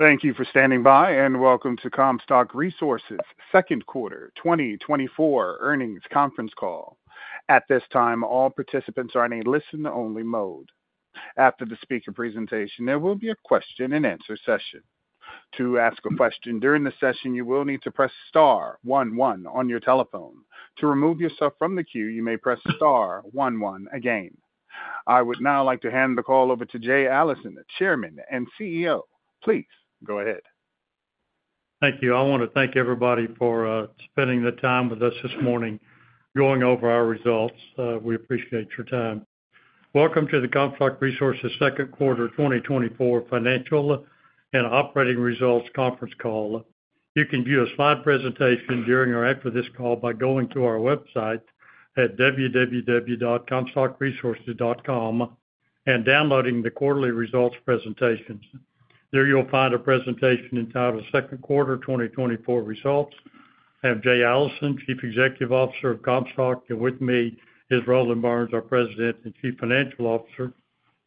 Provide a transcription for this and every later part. Thank you for standing by, and welcome to Comstock Resources' Second Quarter 2024 Earnings Conference Call. At this time, all participants are in a listen-only mode. After the speaker presentation, there will be a question-and-answer session. To ask a question during the session, you will need to press star one one on your telephone. To remove yourself from the queue, you may press star one one again. I would now like to hand the call over to Jay Allison, Chairman and CEO. Please go ahead. Thank you. I want to thank everybody for, spending the time with us this morning, going over our results. We appreciate your time. Welcome to the Comstock Resources second quarter 2024 financial and operating results conference call. You can view a slide presentation during or after this call by going to our website at www.comstockresources.com and downloading the quarterly results presentations. There you'll find a presentation entitled Second Quarter 2024 Results. I have Jay Allison, Chief Executive Officer of Comstock, and with me is Roland Burns, our President and Chief Financial Officer,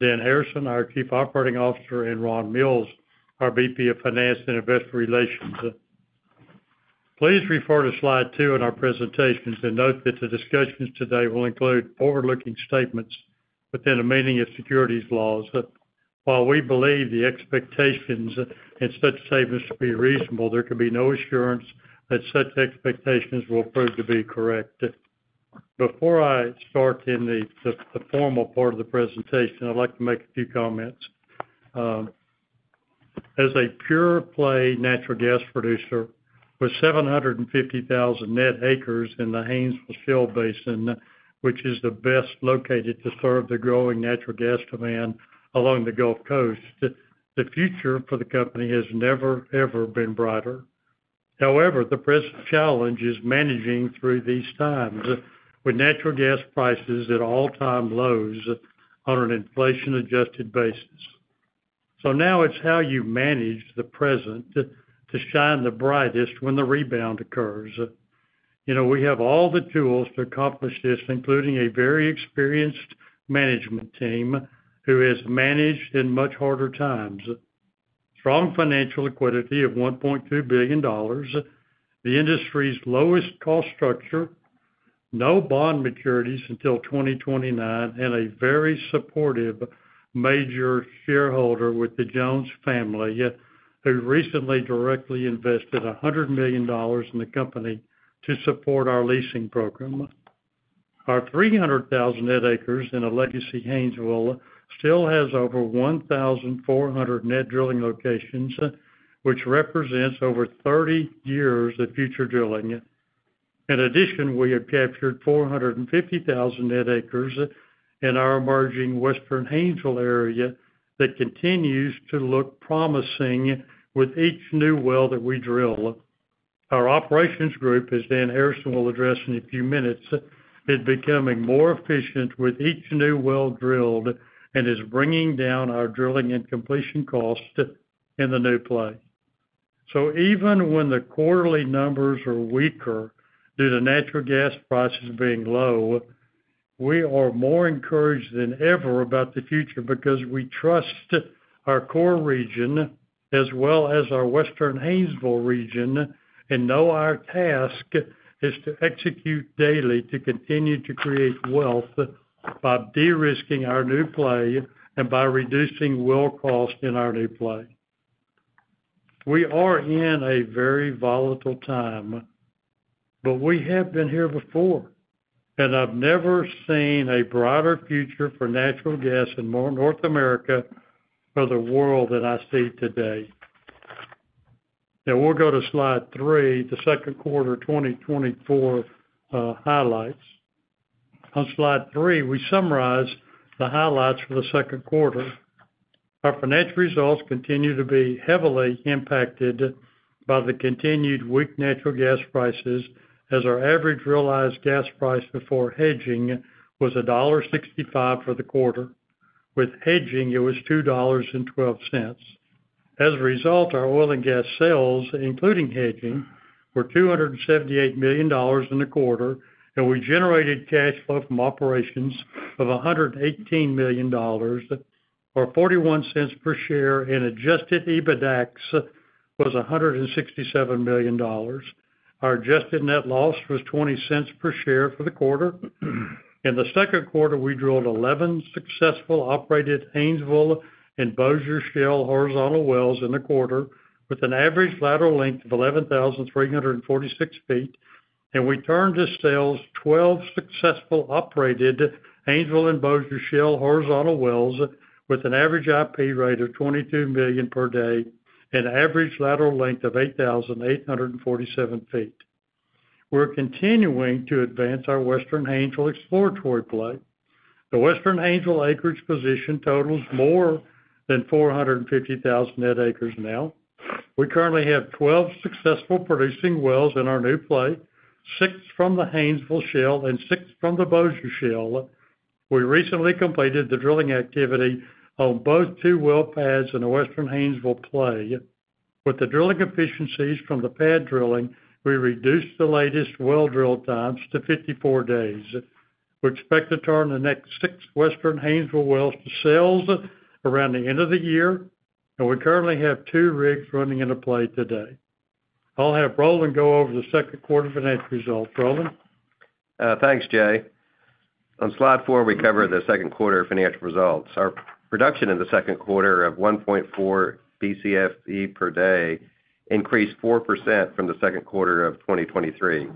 Dan Harrison, our Chief Operating Officer, and Ron Mills, our VP of Finance and Investor Relations. Please refer to slide two in our presentations, and note that the discussions today will include forward-looking statements within the meaning of securities laws. But while we believe the expectations in such statements to be reasonable, there can be no assurance that such expectations will prove to be correct. Before I start in the formal part of the presentation, I'd like to make a few comments. As a pure-play natural gas producer with 750,000 net acres in the Haynesville Shale Basin, which is the best located to serve the growing natural gas demand along the Gulf Coast, the future for the company has never, ever been brighter. However, the present challenge is managing through these times, with natural gas prices at all-time lows on an inflation-adjusted basis. So now it's how you manage the present to shine the brightest when the rebound occurs. You know, we have all the tools to accomplish this, including a very experienced management team who has managed in much harder times. Strong financial liquidity of $1.2 billion, the industry's lowest cost structure, no bond maturities until 2029, and a very supportive major shareholder with the Jones family, who recently directly invested $100 million in the company to support our leasing program. Our 300,000 net acres in a legacy Haynesville still has over 1,400 net drilling locations, which represents over 30 years of future drilling. In addition, we have captured 450,000 net acres in our emerging Western Haynesville area that continues to look promising with each new well that we drill. Our operations group, as Dan Harrison will address in a few minutes, is becoming more efficient with each new well drilled and is bringing down our drilling and completion costs in the new play. So even when the quarterly numbers are weaker due to natural gas prices being low, we are more encouraged than ever about the future because we trust our core region as well as our Western Haynesville region, and know our task is to execute daily to continue to create wealth by de-risking our new play and by reducing well cost in our new play. We are in a very volatile time, but we have been here before, and I've never seen a brighter future for natural gas in North America or the world than I see today. Now, we'll go to slide three, the second quarter 2024 highlights. On slide three, we summarize the highlights for the second quarter. Our financial results continue to be heavily impacted by the continued weak natural gas prices, as our average realized gas price before hedging was $1.65 for the quarter. With hedging, it was $2.12. As a result, our oil and gas sales, including hedging, were $278 million in the quarter, and we generated cash flow from operations of $118 million, or $0.41 per share, and adjusted EBITDAX was $167 million. Our adjusted net loss was $0.20 per share for the quarter. In the second quarter, we drilled 11 successful operated Haynesville and Bossier Shale horizontal wells in the quarter, with an average lateral length of 11,346 ft, and we turned to sales 12 successful operated Haynesville and Bossier Shale horizontal wells with an average IP rate of 22 million per day and average lateral length of 8,847 ft. We're continuing to advance our Western Haynesville exploratory play. The Western Haynesville acreage position totals more than 450,000 net acres now. We currently have 12 successful producing wells in our new play, six from the Haynesville Shale and six from the Bossier Shale. We recently completed the drilling activity on both two well pads in the Western Haynesville play. With the drilling efficiencies from the pad drilling, we reduced the latest well drill times to 54 days. We expect to turn the next six Western Haynesville wells to sales around the end of the year, and we currently have two rigs running in the play today. I'll have Roland go over the second quarter financial results. Roland? Thanks, Jay. On slide four, we cover the second quarter financial results. Our production in the second quarter of 1.4 Bcf/d increased 4% from the second quarter of 2023.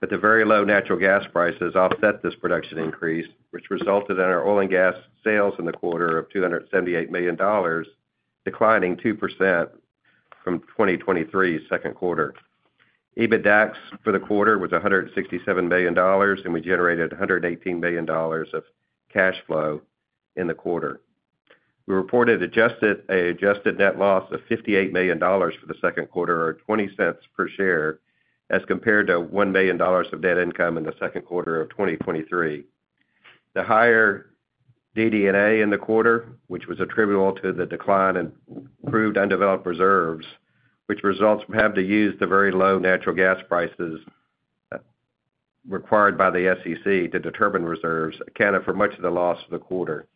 But the very low natural gas prices offset this production increase, which resulted in our oil and gas sales in the quarter of $278 million, declining 2% from 2023's second quarter. EBITDAX for the quarter was $167 million, and we generated $118 million of cash flow in the quarter. We reported adjusted net loss of $58 million for the second quarter, or $0.20 per share, as compared to $1 million of net income in the second quarter of 2023. The higher DD&A in the quarter, which was attributable to the decline in proved undeveloped reserves, which results from having to use the very low natural gas prices required by the SEC to determine reserves, accounted for much of the loss of the quarter.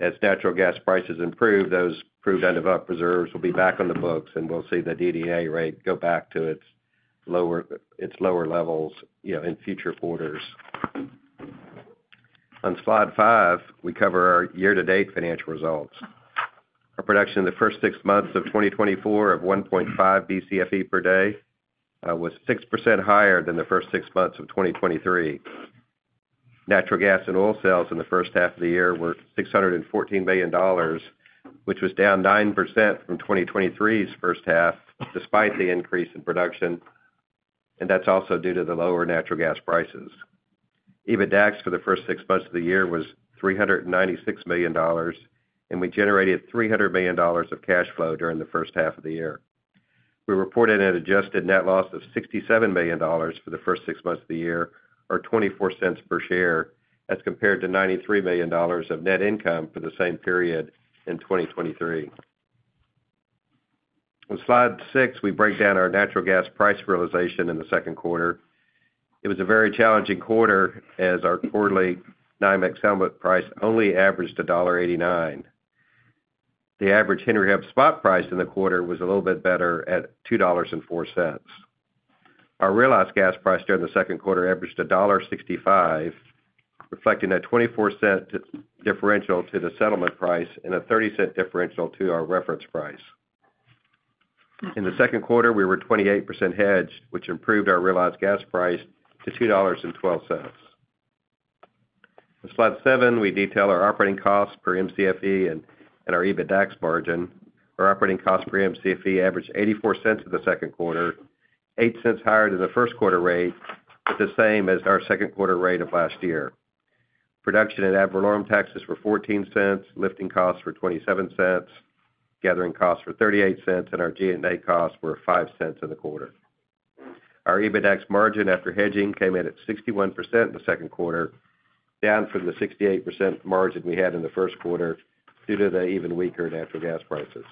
As natural gas prices improve, those proved undeveloped reserves will be back on the books, and we'll see the DD&A rate go back to its lower, its lower levels, you know, in future quarters. On slide five, we cover our year-to-date financial results. Our production in the first six months of 2024 of 1.5 Bcf/d was 6% higher than the first six months of 2023. Natural gas and oil sales in the first half of the year were $614 million, which was down 9% from 2023's first half, despite the increase in production, and that's also due to the lower natural gas prices. EBITDAX for the first six months of the year was $396 million, and we generated $300 million of cash flow during the first half of the year. We reported an adjusted net loss of $67 million for the first six months of the year, or $0.24 per share, as compared to $93 million of net income for the same period in 2023. On slide six, we break down our natural gas price realization in the second quarter. It was a very challenging quarter, as our quarterly NYMEX settlement price only averaged $1.89. The average Henry Hub spot price in the quarter was a little bit better at $2.04. Our realized gas price during the second quarter averaged $1.65, reflecting a $0.24 differential to the settlement price and a $0.30 differential to our reference price. In the second quarter, we were 28% hedged, which improved our realized gas price to $2.12. On slide seven, we detail our operating costs per Mcfe and our EBITDAX margin. Our operating cost per Mcfe averaged $0.84 in the second quarter, $0.08 higher than the first quarter rate, but the same as our second quarter rate of last year. Production and ad valorem taxes were $0.14, lifting costs were $0.27, gathering costs were $0.38, and our G&A costs were $0.05 in the quarter. Our EBITDAX margin after hedging came in at 61% in the second quarter, down from the 68% margin we had in the first quarter due to the even weaker natural gas prices.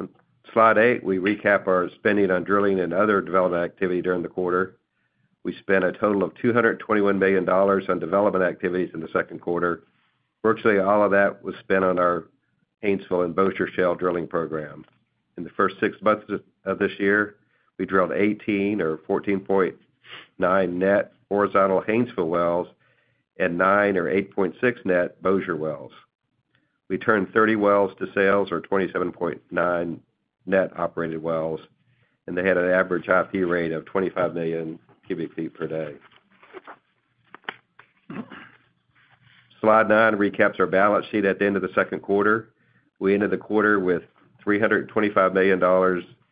On slide eight, we recap our spending on drilling and other development activity during the quarter. We spent a total of $221 million on development activities in the second quarter. Virtually all of that was spent on our Haynesville and Bossier Shale drilling program. In the first six months of this year, we drilled 18 or 14.9 net horizontal Haynesville wells and 9 or 8.6 net Bossier wells. We turned 30 wells to sales or 27.9 net operated wells, and they had an average IP rate of 25 MMcf/d. Slide nine recaps our balance sheet at the end of the second quarter. We ended the quarter with $325 million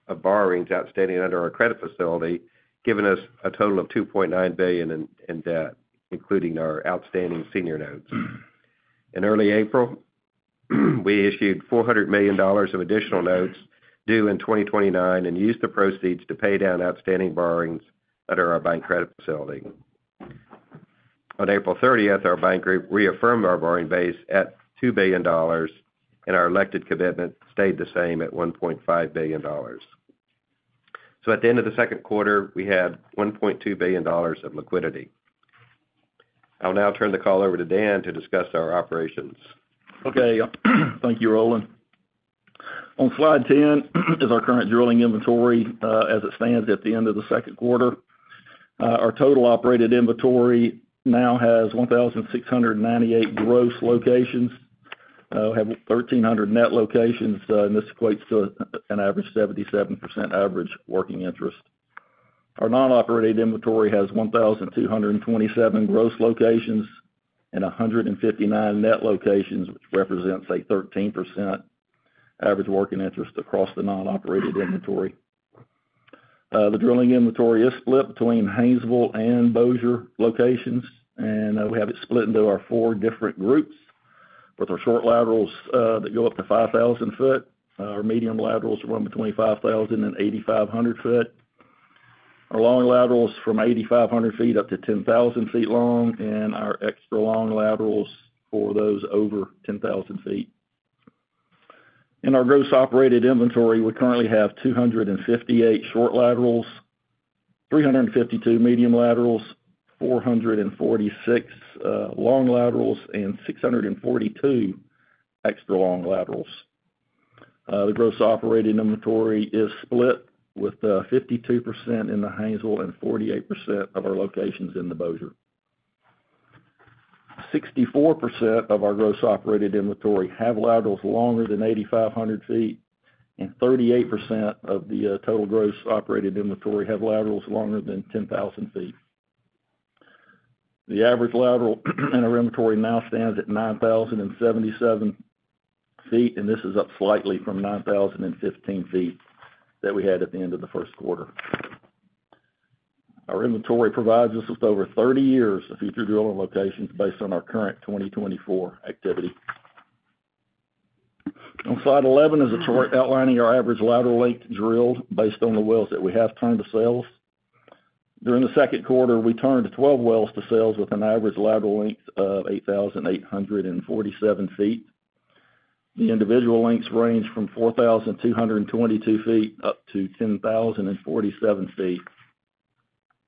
of borrowings outstanding under our credit facility, giving us a total of $2.9 billion in debt, including our outstanding senior notes. In early April, we issued $400 million of additional notes due in 2029 and used the proceeds to pay down outstanding borrowings under our bank credit facility. On April thirtieth, our bank group reaffirmed our borrowing base at $2 billion, and our elected commitment stayed the same at $1.5 billion. So at the end of the second quarter, we had $1.2 billion of liquidity. I'll now turn the call over to Dan to discuss our operations. Okay. Thank you, Roland. On slide 10 is our current drilling inventory, as it stands at the end of the second quarter. Our total operated inventory now has 1,698 gross locations, we have 1,300 net locations, and this equates to an average 77% average working interest. Our non-operated inventory has 1,227 gross locations and 159 net locations, which represents a 13% average working interest across the non-operated inventory. The drilling inventory is split between Haynesville and Bossier locations, and we have it split into our four different groups. With our short laterals, that go up to 5,000 ft, our medium laterals run between 5,000 ft and 8,500 ft. Our long laterals from 8,500 ft up to 10,000 ft long, and our extra-long laterals for those over 10,000 ft. In our gross operated inventory, we currently have 258 short laterals, 352 medium laterals, 446 long laterals, and 642 extra long laterals. The gross operating inventory is split with 52% in the Haynesville and 48% of our locations in the Bossier. 64% of our gross operated inventory have laterals longer than 8,500 ft, and 38% of the total gross operated inventory have laterals longer than 10,000 ft. The average lateral in our inventory now stands at 9,077 ft, and this is up slightly from 9,015 ft that we had at the end of the first quarter. Our inventory provides us with over 30 years of future drilling locations based on our current 2024 activity. On slide 11 is a chart outlining our average lateral length drilled based on the wells that we have turned to sales. During the second quarter, we turned 12 wells to sales with an average lateral length of 8,847 ft. The individual lengths range from 4,222 ft up to 10,047 ft.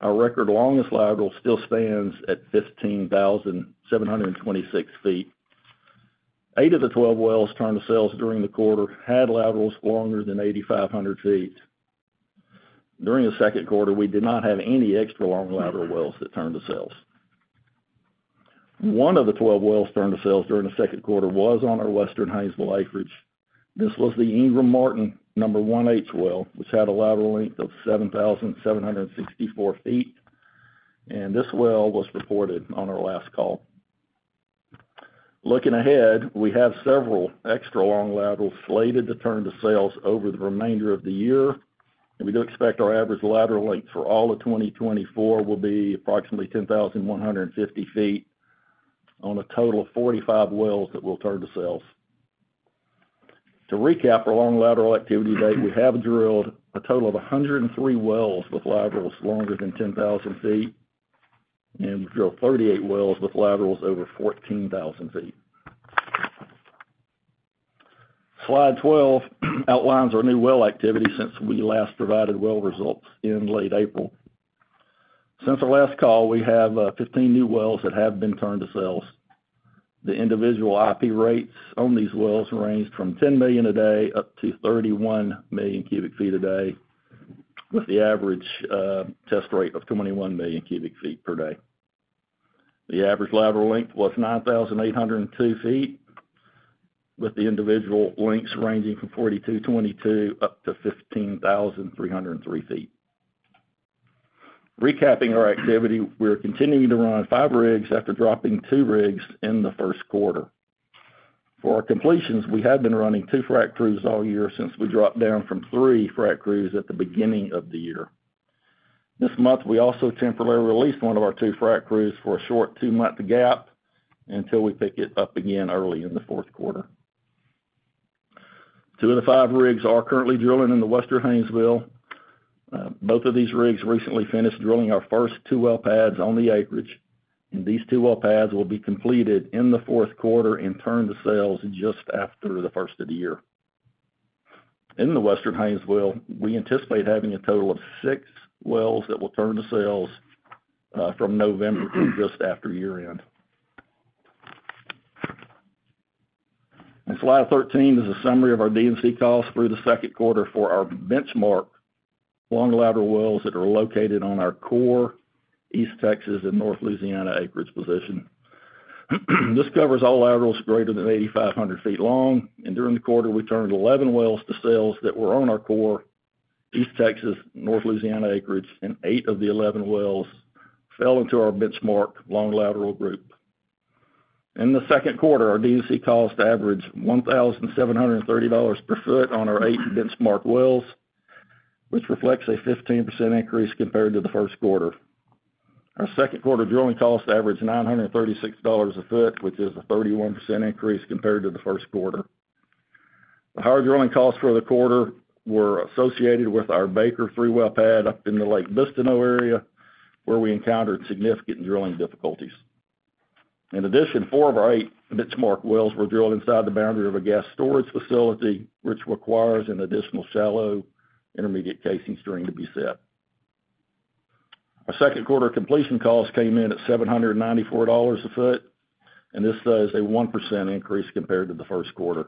Our record longest lateral still stands at 15,726 ft. Eight of the 12 wells turned to sales during the quarter had laterals longer than 8,500 ft. During the second quarter, we did not have any extra long lateral wells that turned to sales. One of the 12 wells turned to sales during the second quarter was on our Western Haynesville acreage. This was the Ingram Martin 1H well, which had a lateral length of 7,764 ft, and this well was reported on our last call. Looking ahead, we have several extra long laterals slated to turn to sales over the remainder of the year, and we do expect our average lateral length for all of 2024 will be approximately 10,150 ft on a total of 45 wells that we'll turn to sales. To recap our long lateral activity to date, we have drilled a total of 103 wells with laterals longer than 10,000 ft, and we've drilled 38 wells with laterals over 14,000 ft. Slide 12 outlines our new well activity since we last provided well results in late April. Since our last call, we have 15 new wells that have been turned to sales. The individual IP rates on these wells ranged from 10 MMcf/d up to 31 MMcf/d, with the average test rate of 21 MMcf/d. The average lateral length was 9,802 ft, with the individual lengths ranging from 4,222 ft up to 15,303 ft. Recapping our activity, we're continuing to run five rigs after dropping two rigs in the first quarter. For our completions, we have been running two frac crews all year since we dropped down from three frac crews at the beginning of the year. This month, we also temporarily released one of our two frac crews for a short two-month gap until we pick it up again early in the fourth quarter. Two of the five rigs are currently drilling in the Western Haynesville. Both of these rigs recently finished drilling our first two well pads on the acreage, and these two well pads will be completed in the fourth quarter and turn to sales just after the first of the year. In the Western Haynesville, we anticipate having a total of six wells that will turn to sales from November through just after year-end. And slide 13 is a summary of our D&C costs through the second quarter for our benchmark long lateral wells that are located on our core East Texas and North Louisiana acreage position. This covers all laterals greater than 8,500 ft long, and during the quarter, we turned 11 wells to sales that were on our core East Texas, North Louisiana acreage, and eight of the 11 wells fell into our benchmark long lateral group. In the second quarter, our D&C costs averaged $1,730 per foot on our eight benchmark wells, which reflects a 15% increase compared to the first quarter. Our second quarter drilling costs averaged $936 a foot, which is a 31% increase compared to the first quarter. The higher drilling costs for the quarter were associated with our Baker 3 well pad up in the Lake Bistineau area, where we encountered significant drilling difficulties. In addition, four of our eight benchmark wells were drilled inside the boundary of a gas storage facility, which requires an additional shallow intermediate casing string to be set. Our second quarter completion costs came in at $794 a foot, and this is a 1% increase compared to the first quarter.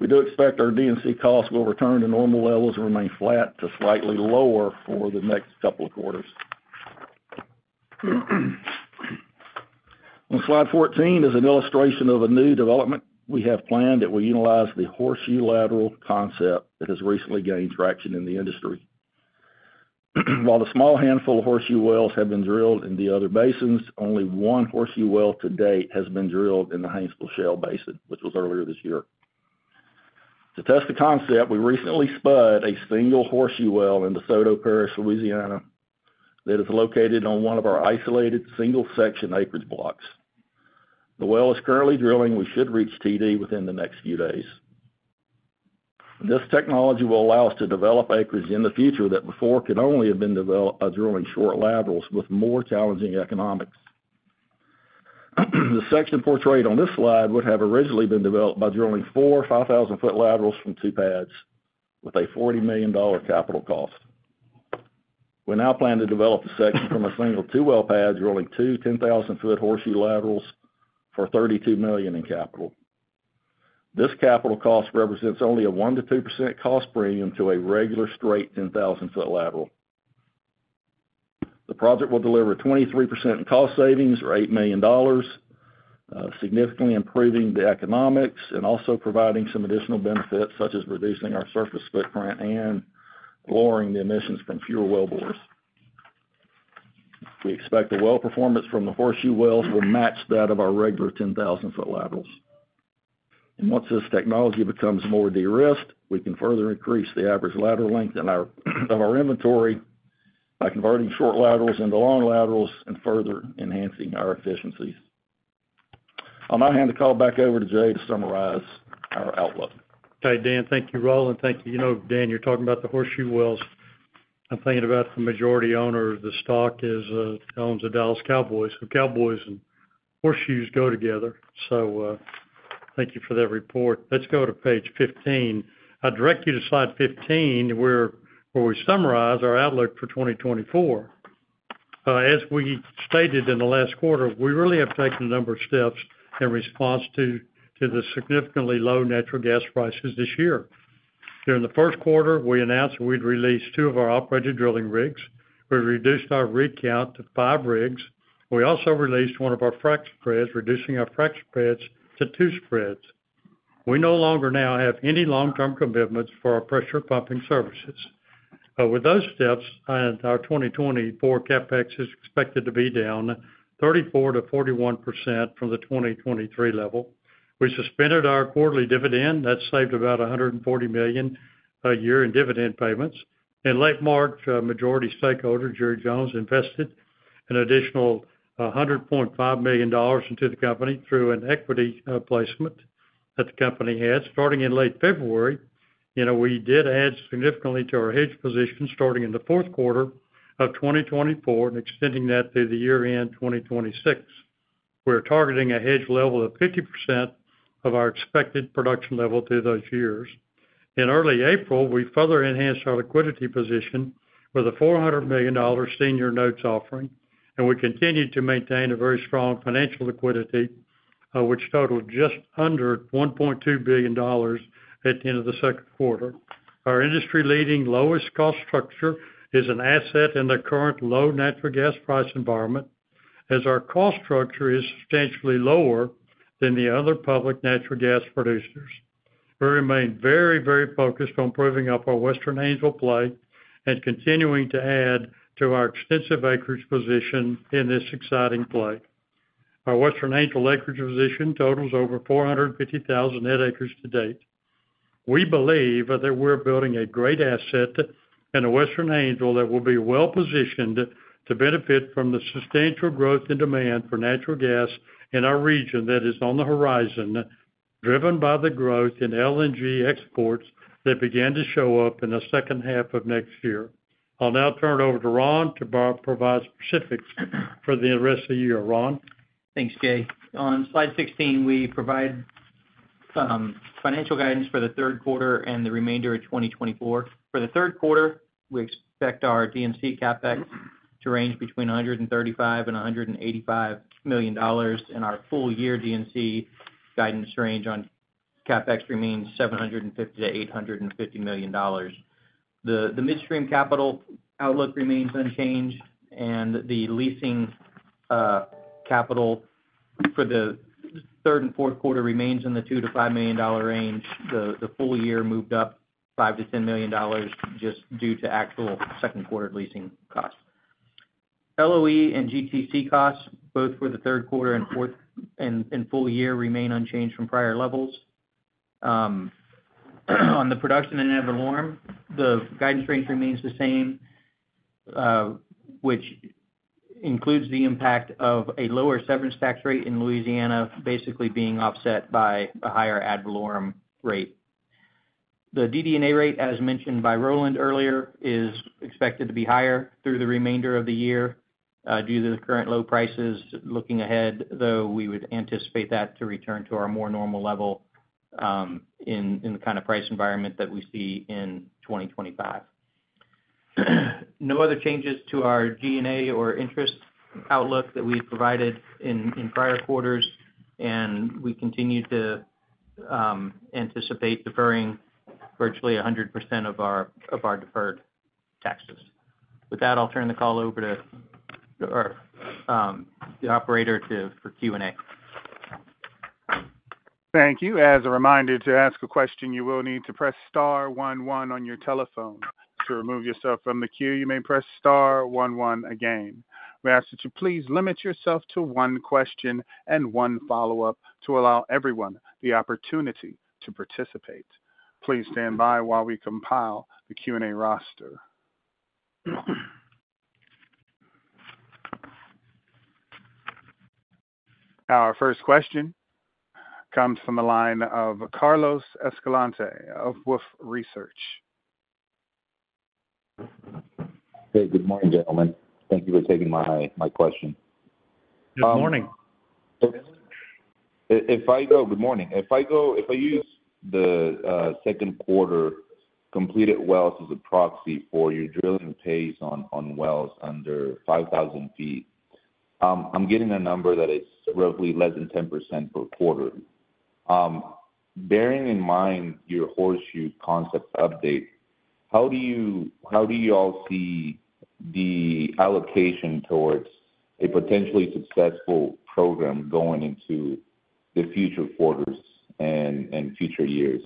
We do expect our D&C costs will return to normal levels and remain flat to slightly lower for the next couple of quarters. On slide 14 is an illustration of a new development we have planned that will utilize the horseshoe lateral concept that has recently gained traction in the industry. While a small handful of horseshoe wells have been drilled in the other basins, only one horseshoe well to date has been drilled in the Haynesville Shale Basin, which was earlier this year. To test the concept, we recently spud a single horseshoe well in DeSoto Parish, Louisiana, that is located on one of our isolated single-section acreage blocks. The well is currently drilling. We should reach TD within the next few days. This technology will allow us to develop acreage in the future that before could only have been developed by drilling short laterals with more challenging economics. The section portrayed on this slide would have originally been developed by drilling four 5,000-foot laterals from two pads, with a $40 million capital cost. We now plan to develop the section from a single two-well pad, drilling two 10,000-foot horseshoe laterals for $32 million in capital. This capital cost represents only a 1%-2% cost premium to a regular straight 10,000-foot lateral. The project will deliver a 23% in cost savings or $8 million, significantly improving the economics and also providing some additional benefits, such as reducing our surface footprint and lowering the emissions from fewer wellbores. We expect the well performance from the horseshoe wells will match that of our regular 10,000-foot laterals. And once this technology becomes more de-risked, we can further increase the average lateral length of our inventory by converting short laterals into long laterals and further enhancing our efficiencies. I'll now hand the call back over to Jay to summarize our outlook. Okay, Dan. Thank you, Roland. Thank you. You know, Dan, you're talking about the horseshoe wells. I'm thinking about the majority owner of the stock is owns the Dallas Cowboys. So cowboys and horseshoes go together, so thank you for that report. Let's go to page 15. I direct you to slide 15, where we summarize our outlook for 2024. As we stated in the last quarter, we really have taken a number of steps in response to the significantly low natural gas prices this year. During the first quarter, we announced we'd release two of our operated drilling rigs. We reduced our rig count to five rigs. We also released one of our frac spreads, reducing our frac spreads to two spreads. We no longer now have any long-term commitments for our pressure pumping services. With those steps, and our 2024 CapEx is expected to be down 34%-41% from the 2023 level. We suspended our quarterly dividend. That saved about $140 million a year in dividend payments. In late March, our majority stakeholder, Jerry Jones, invested an additional $100.5 million into the company through an equity placement that the company had. Starting in late February, you know, we did add significantly to our hedge position starting in the fourth quarter of 2024 and extending that through the year-end 2026. We're targeting a hedge level of 50% of our expected production level through those years. In early April, we further enhanced our liquidity position with a $400 million senior notes offering, and we continued to maintain a very strong financial liquidity, which totaled just under $1.2 billion at the end of the second quarter. Our industry-leading lowest cost structure is an asset in the current low natural gas price environment, as our cost structure is substantially lower than the other public natural gas producers. We remain very, very focused on improving up our Western Haynesville play and continuing to add to our extensive acreage position in this exciting play. Our Western Haynesville acreage position totals over 450,000 net acres to date. We believe that we're building a great asset in a Western Haynesville that will be well positioned to benefit from the substantial growth and demand for natural gas in our region that is on the horizon, driven by the growth in LNG exports that began to show up in the second half of next year. I'll now turn it over to Ron to provide specifics for the rest of the year. Ron? Thanks, Jay. On slide 16, we provide some financial guidance for the third quarter and the remainder of 2024. For the third quarter, we expect our D&C CapEx to range between $135 million and $185 million, and our full year D&C guidance range on CapEx remains $750 million-$850 million. The midstream capital outlook remains unchanged, and the leasing capital for the third and fourth quarter remains in the $2 million-$5 million range. The full year moved up $5 million-$10 million just due to actual second quarter leasing costs. LOE and GTC costs, both for the third quarter and fourth, and full year, remain unchanged from prior levels. On the production and ad valorem, the guidance range remains the same, which includes the impact of a lower severance tax rate in Louisiana, basically being offset by a higher ad valorem rate. The DD&A rate, as mentioned by Roland earlier, is expected to be higher through the remainder of the year, due to the current low prices. Looking ahead, though, we would anticipate that to return to our more normal level, in the kind of price environment that we see in 2025. No other changes to our G&A or interest outlook that we provided in prior quarters, and we continue to anticipate deferring virtually 100% of our deferred taxes. With that, I'll turn the call over to the operator for Q&A. Thank you. As a reminder, to ask a question, you will need to press star one one on your telephone. To remove yourself from the queue, you may press star one one again. We ask that you please limit yourself to one question and one follow-up to allow everyone the opportunity to participate. Please stand by while we compile the Q&A roster. Our first question comes from the line of Carlos Escalante of Wolfe Research. Hey, good morning, gentlemen. Thank you for taking my, my question. Good morning. Good morning. If I use the second quarter completed wells as a proxy for your drilling pace on wells under 5,000 ft, I'm getting a number that is roughly less than 10% per quarter. Bearing in mind your horseshoe concept update, how do you all see the allocation towards a potentially successful program going into the future quarters and future years?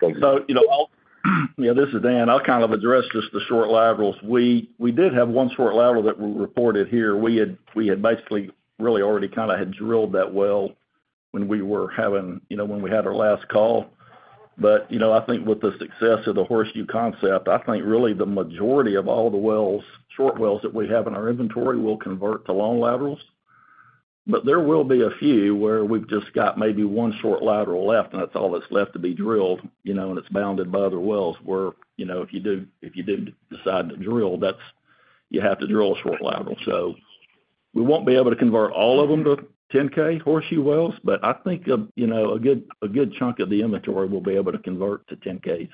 Thank you. So, you know, I'll, you know, this is Dan. I'll kind of address just the short laterals. We, we did have one short lateral that we reported here. We had, we had basically really already kind of had drilled that well when we were having, you know, when we had our last call. But, you know, I think with the success of the horseshoe concept, I think really the majority of all the wells, short wells that we have in our inventory will convert to long laterals. But there will be a few where we've just got maybe one short lateral left, and that's all that's left to be drilled, you know, and it's bounded by other wells, where, you know, if you do, if you did decide to drill, that's... You have to drill a short lateral. So we won't be able to convert all of them to 10K horseshoe wells, but I think, you know, a good, a good chunk of the inventory we'll be able to convert to 10Ks.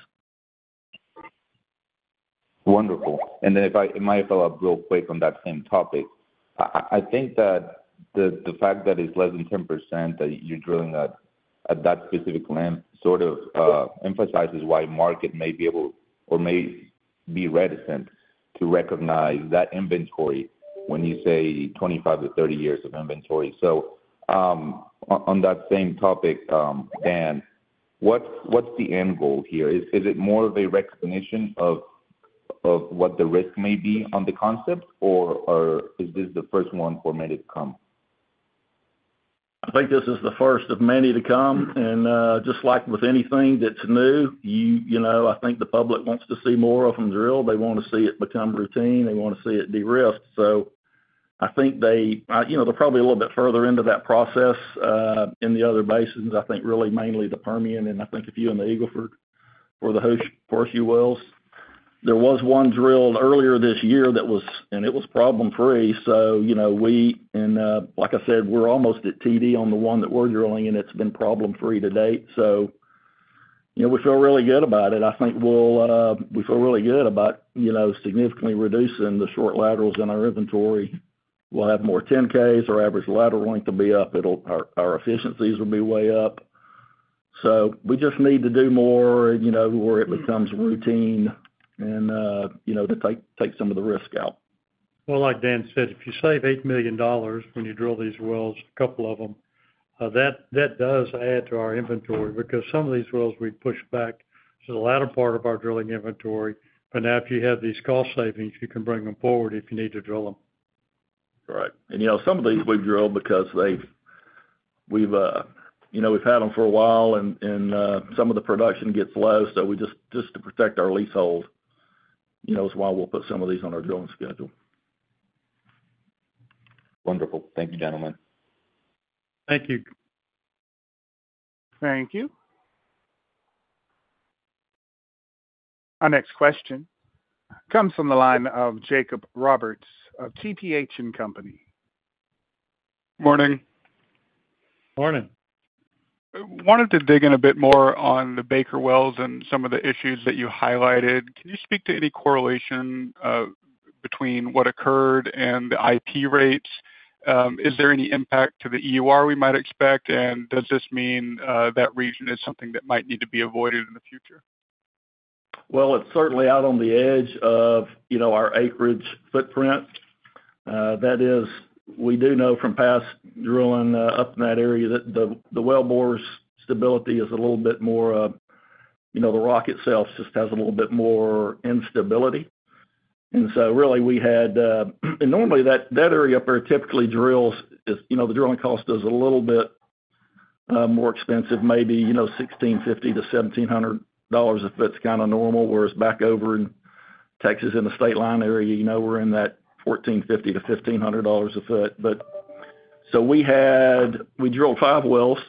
Wonderful. And then if I might follow up real quick on that same topic. I think that the fact that it's less than 10%, that you're drilling at that specific length, sort of emphasizes why market may be able or may be reticent to recognize that inventory when you say 25-30 years of inventory. So, on that same topic, Dan, what's the end goal here? Is it more of a recognition of what the risk may be on the concept, or is this the first one for many to come? I think this is the first of many to come, and just like with anything that's new, you know, I think the public wants to see more of them drilled. They want to see it become routine. They want to see it de-risked. So I think they, you know, they're probably a little bit further into that process in the other basins, I think really mainly the Permian and I think a few in the Eagle Ford or the horseshoe wells. There was one drilled earlier this year that was problem-free. So you know, we and, like I said, we're almost at TD on the one that we're drilling, and it's been problem-free to date, so you know, we feel really good about it. I think we'll we feel really good about, you know, significantly reducing the short laterals in our inventory. We'll have more 10Ks. Our average lateral length will be up. It'll our, our efficiencies will be way up. So we just need to do more, you know, where it becomes routine and, you know, to take, take some of the risk out. Well, like Dan said, if you save $8 million when you drill these wells, a couple of them, that does add to our inventory because some of these wells we've pushed back to the latter part of our drilling inventory. But now if you have these cost savings, you can bring them forward if you need to drill them. Right. And, you know, some of these we've drilled because we've, you know, we've had them for a while and, some of the production gets low, so we just, just to protect our leasehold, you know, is why we'll put some of these on our drilling schedule. Wonderful. Thank you, gentlemen. Thank you. Thank you. Our next question comes from the line of Jacob Roberts of TPH & Company. Morning. Morning. I wanted to dig in a bit more on the Baker wells and some of the issues that you highlighted. Can you speak to any correlation between what occurred and the IP rates? Is there any impact to the EUR we might expect? And does this mean that region is something that might need to be avoided in the future? Well, it's certainly out on the edge of, you know, our acreage footprint. That is, we do know from past drilling up in that area, that the wellbore's stability is a little bit more, you know, the rock itself just has a little bit more instability. And so really, we had, and normally that area up there typically drills, is, you know, the drilling cost is a little bit more expensive, maybe, you know, $1,650-$1,700, if it's kind of normal, whereas back over in Texas, in the state line area, you know, we're in that $1,450-$1,500 a foot. But so we had- we drilled five wells.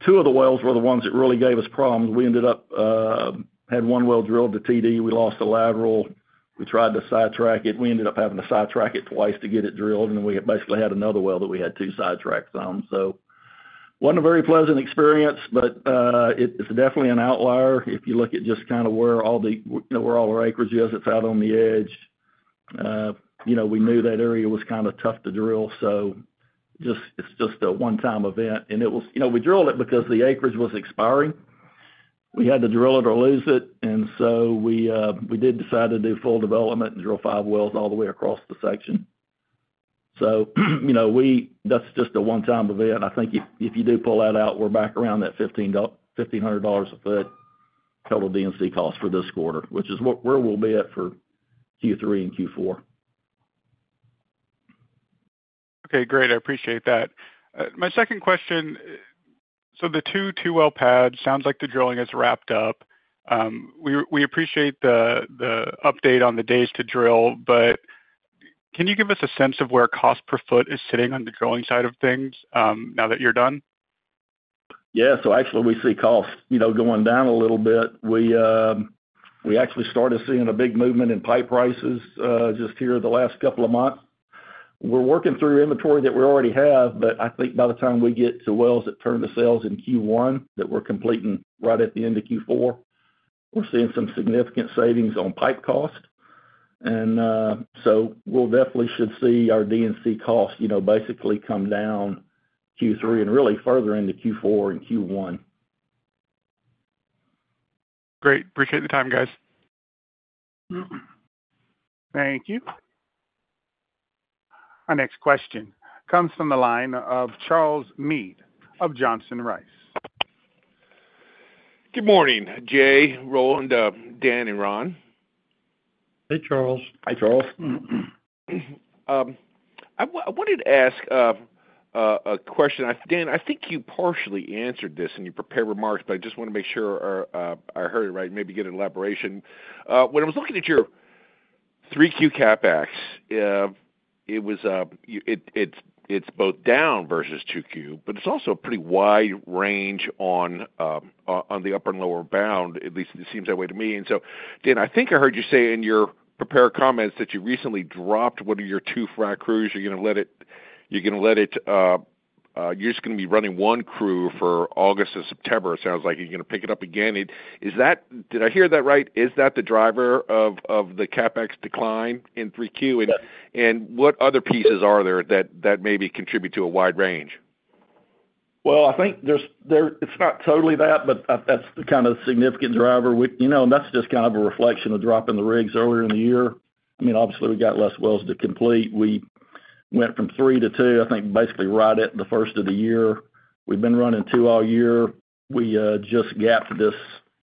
Two of the wells were the ones that really gave us problems. We ended up had one well drilled to TD. We lost the lateral. We tried to sidetrack it. We ended up having to sidetrack it twice to get it drilled, and we had basically had another well that we had two sidetracks on. So wasn't a very pleasant experience, but, it, it's definitely an outlier. If you look at just kind of where all our acreage is, it's out on the edge. You know, we knew that area was kind of tough to drill, so just, it's just a one-time event. And it was... You know, we drilled it because the acreage was expiring. We had to drill it or lose it, and so we, we did decide to do full development and drill five wells all the way across the section. So, you know, we, that's just a one-time event. I think if you do pull that out, we're back around that $1,500 a foot, total D&C cost for this quarter, which is where we'll be at for Q3 and Q4. Okay, great. I appreciate that. My second question, so the two-well pad sounds like the drilling is wrapped up. We appreciate the update on the days to drill, but can you give us a sense of where cost per foot is sitting on the drilling side of things, now that you're done? Yeah, so actually we see costs, you know, going down a little bit. We actually started seeing a big movement in pipe prices, just here the last couple of months. We're working through inventory that we already have, but I think by the time we get to wells that turn to sales in Q1, that we're completing right at the end of Q4, we're seeing some significant savings on pipe cost. And, so we'll definitely should see our D&C costs, you know, basically come down Q3 and really further into Q4 and Q1. Great. Appreciate the time, guys. Thank you. Our next question comes from the line of Charles Meade of Johnson Rice. Good morning, Jay, Roland, Dan, and Ron. Hey, Charles. Hi, Charles. I wanted to ask a question. Dan, I think you partially answered this in your prepared remarks, but I just wanna make sure I heard it right, maybe get an elaboration. When I was looking at your 3Q CapEx, it was, it's both down versus 2Q, but it's also a pretty wide range on the upper and lower bound, at least it seems that way to me. And so, Dan, I think I heard you say in your prepared comments that you recently dropped one of your two frac crews. You're gonna let it, you're gonna let it, you're just gonna be running one crew for August and September, it sounds like. You're gonna pick it up again. Is that? Did I hear that right? Is that the driver of the CapEx decline in 3Q? Yes. What other pieces are there that maybe contribute to a wide range? Well, I think it's not totally that, but that's the kind of significant driver. We, you know, and that's just kind of a reflection of dropping the rigs earlier in the year. I mean, obviously, we've got less wells to complete. We went from three to two, I think, basically, right at the first of the year. We've been running two all year. We just gapped this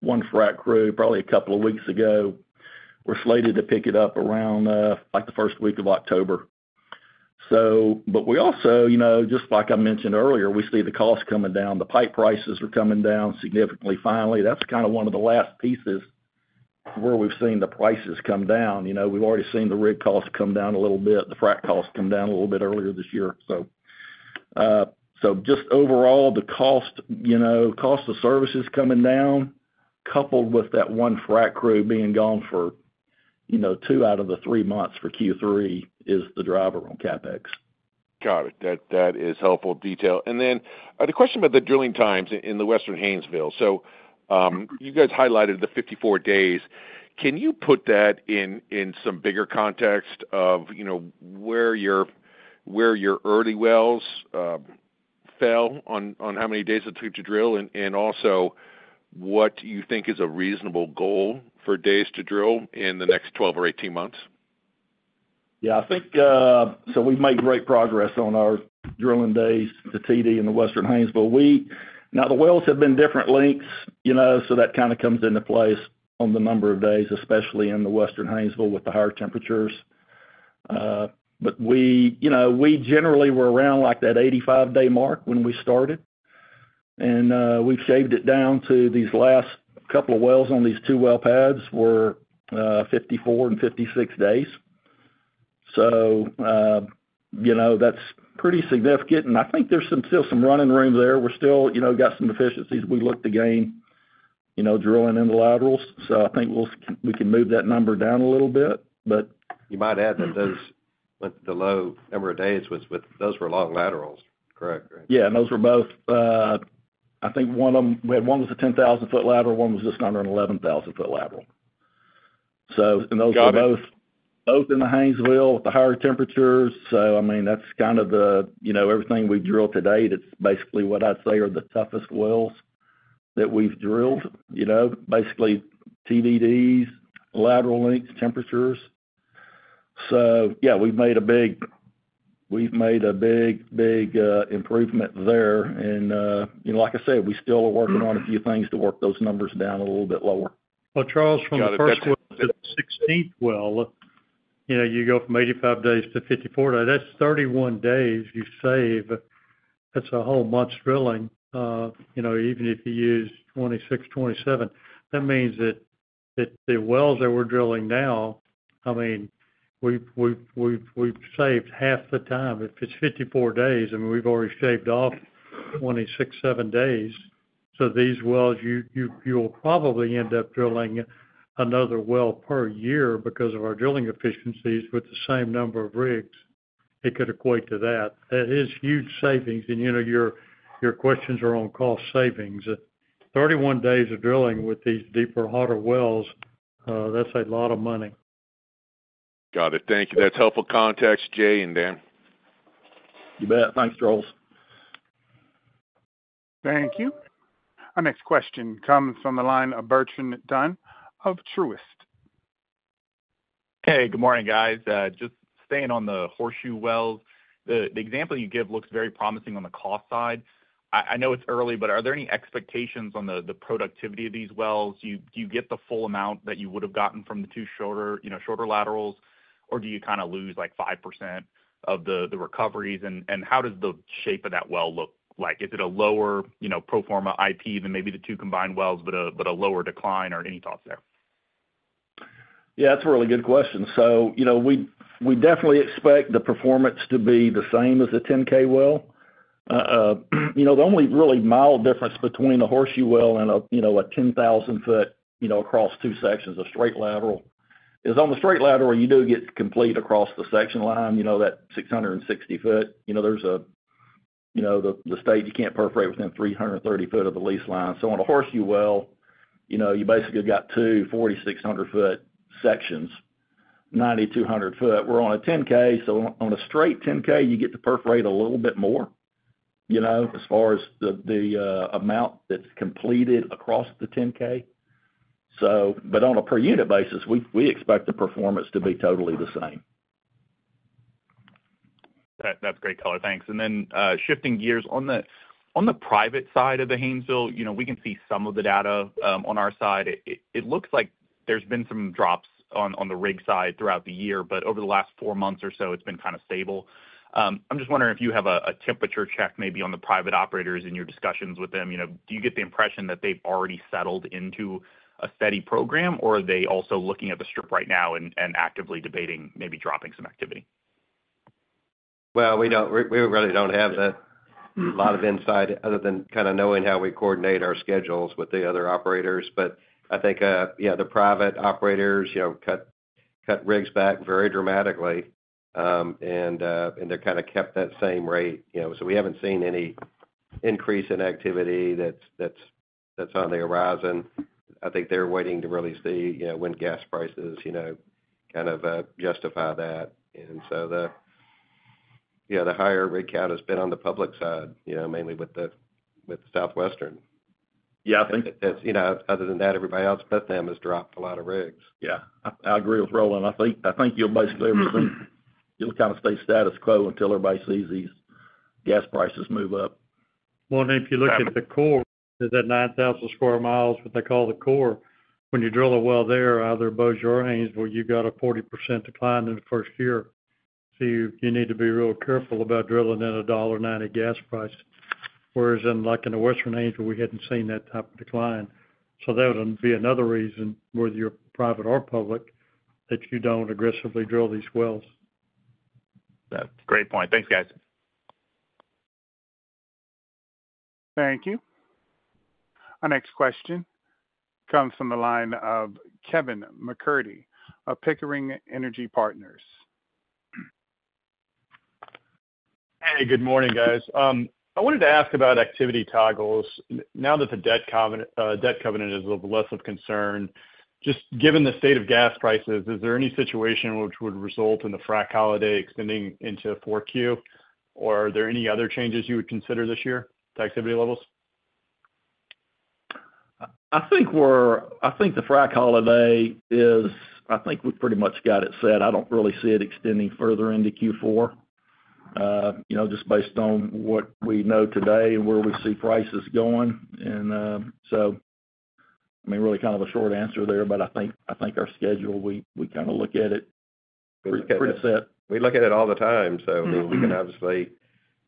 one frac crew probably a couple of weeks ago. We're slated to pick it up around, like, the first week of October. So, but we also, you know, just like I mentioned earlier, we see the costs coming down. The pipe prices are coming down significantly finally. That's kind of one of the last pieces where we've seen the prices come down. You know, we've already seen the rig costs come down a little bit, the frac costs come down a little bit earlier this year. So, just overall, the cost, you know, cost of services coming down, coupled with that one frac crew being gone for, you know, two out of the three months for Q3 is the driver on CapEx. Got it. That, that is helpful detail. And then, the question about the drilling times in, in the Western Haynesville. So, you guys highlighted the 54 days. Can you put that in, in some bigger context of, you know, where your, where your early wells, fell on, on how many days it took to drill, and, and also what you think is a reasonable goal for days to drill in the next 12 or 18 months? Yeah, I think, so we've made great progress on our drilling days to TD in the Western Haynesville. We now, the wells have been different lengths, you know, so that kind of comes into play on the number of days, especially in the Western Haynesville with the higher temperatures. But we, you know, we generally were around, like, that 85-day mark when we started, and, we've shaved it down to these last couple of wells on these two well pads were, 54 and 56 days. So, you know, that's pretty significant, and I think there's some, still some running room there. We're still, you know, got some efficiencies we look to gain, you know, drilling in the laterals, so I think we'll, we can move that number down a little bit, but- You might add that those, with the low number of days, was with those were long laterals, correct? Yeah, and those were both. I think one of them, we had one was a 10,000-foot lateral, one was just under an 11,000-foot lateral. So- Got it. And those were both, both in the Haynesville with the higher temperatures. So I mean, that's kind of the, you know, everything we've drilled to date, it's basically what I'd say are the toughest wells that we've drilled, you know, basically TDDs, lateral lengths, temperatures. So yeah, we've made a big, we've made a big, big, improvement there. And, you know, like I said, we still are working on a few things to work those numbers down a little bit lower. Well, Charles, from the first well to the sixteenth well, you know, you go from 85 days to 54 days. That's 31 days you save. That's a whole month's drilling. You know, even if you use 26, 27, that means that the wells that we're drilling now, I mean, we've saved half the time. If it's 54 days, and we've already shaved off 26, seven days, so these wells, you, you'll probably end up drilling another well per year because of our drilling efficiencies with the same number of rigs. It could equate to that. That is huge savings, and, you know, your questions are on cost savings. 31 days of drilling with these deeper, hotter wells, that's a lot of money. Got it. Thank you. That's helpful context, Jay and Dan. You bet. Thanks, Charles. Thank you. Our next question comes from the line of Bertrand Donnes of Truist. Hey, good morning, guys. Just staying on the horseshoe wells. The example you give looks very promising on the cost side. I know it's early, but are there any expectations on the productivity of these wells? Do you get the full amount that you would have gotten from the two shorter, you know, shorter laterals, or do you kind of lose, like, 5% of the recoveries? And how does the shape of that well look like? Is it a lower, you know, pro forma IP than maybe the two combined wells, but a lower decline, or any thoughts there? Yeah, that's a really good question. So, you know, we, we definitely expect the performance to be the same as the 10K well. You know, the only really mild difference between a horseshoe well and a, you know, a 10,000-foot, you know, across two sections, a straight lateral, is on the straight lateral, you do get complete across the section line, you know, that 660-foot. You know, there's a, you know, the, the state, you can't perforate within 330-foot of the lease line. So on a horseshoe well, you know, you basically got two, 4,600-foot sections, 9,200-foot. We're on a 10K, so on a straight 10K, you get to perforate a little bit more, you know, as far as the, the, amount that's completed across the 10K. But on a per unit basis, we expect the performance to be totally the same. That's great all. Thanks. And then, shifting gears, on the private side of the Haynesville, you know, we can see some of the data on our side. It looks like there's been some drops on the rig side throughout the year, but over the last four months or so, it's been kind of stable. I'm just wondering if you have a temperature check, maybe on the private operators in your discussions with them. You know, do you get the impression that they've already settled into a steady program, or are they also looking at the strip right now and actively debating, maybe dropping some activity? Well, we really don't have a lot of insight other than kind of knowing how we coordinate our schedules with the other operators. But I think, yeah, the private operators, you know, cut rigs back very dramatically, and they kind of kept that same rate, you know. So we haven't seen any increase in activity that's on the horizon. I think they're waiting to really see, you know, when gas prices, you know, kind of justify that. And so yeah, the higher rig count has been on the public side, you know, mainly with the, with Southwestern. Yeah, I think- You know, other than that, everybody else but them has dropped a lot of rigs. Yeah, I, I agree with Roland. I think, I think you'll basically, you'll kind of stay status quo until everybody sees these gas prices move up. Well, if you look at the core, is that 9,000 sq mi, what they call the core, when you drill a well there, either Bossier or Haynesville, you've got a 40% decline in the first year. So you need to be real careful about drilling at a $1.90 gas price. Whereas in, like, in the Western Haynesville, we hadn't seen that type of decline. So that would be another reason, whether you're private or public, that you don't aggressively drill these wells. That's a great point. Thanks, guys. Thank you. Our next question comes from the line of Kevin McCurdy of Pickering Energy Partners. Hey, good morning, guys. I wanted to ask about activity toggles. Now that the debt covenant is of less of concern, just given the state of gas prices, is there any situation which would result in the frac holiday extending into 4Q? Or are there any other changes you would consider this year to activity levels? I think the frac holiday is. I think we've pretty much got it set. I don't really see it extending further into Q4. You know, just based on what we know today and where we see prices going. And so, I mean, really kind of a short answer there, but I think our schedule, we kind of look at it pretty, pretty set. We look at it all the time, so we can obviously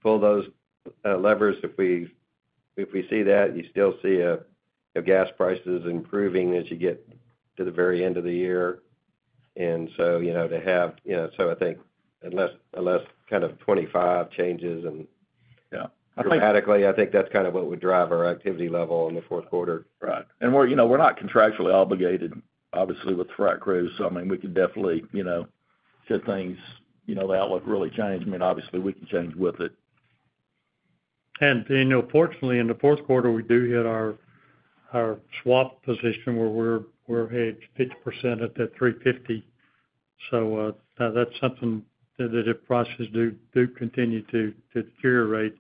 pull those levers if we, if we see that you still see gas prices improving as you get to the very end of the year. And so, you know, to have, you know, so I think unless, unless kind of 2025 changes and- Yeah. dramatically, I think that's kind of what would drive our activity level in the fourth quarter. Right. And we're, you know, we're not contractually obligated, obviously, with the frac crews. So I mean, we could definitely, you know, if things, you know, the outlook really changed, I mean, obviously, we can change with it. You know, fortunately, in the fourth quarter, we do hit our swap position, where we're hedged 50% at that $3.50. So, that's something that if prices do continue to deteriorate,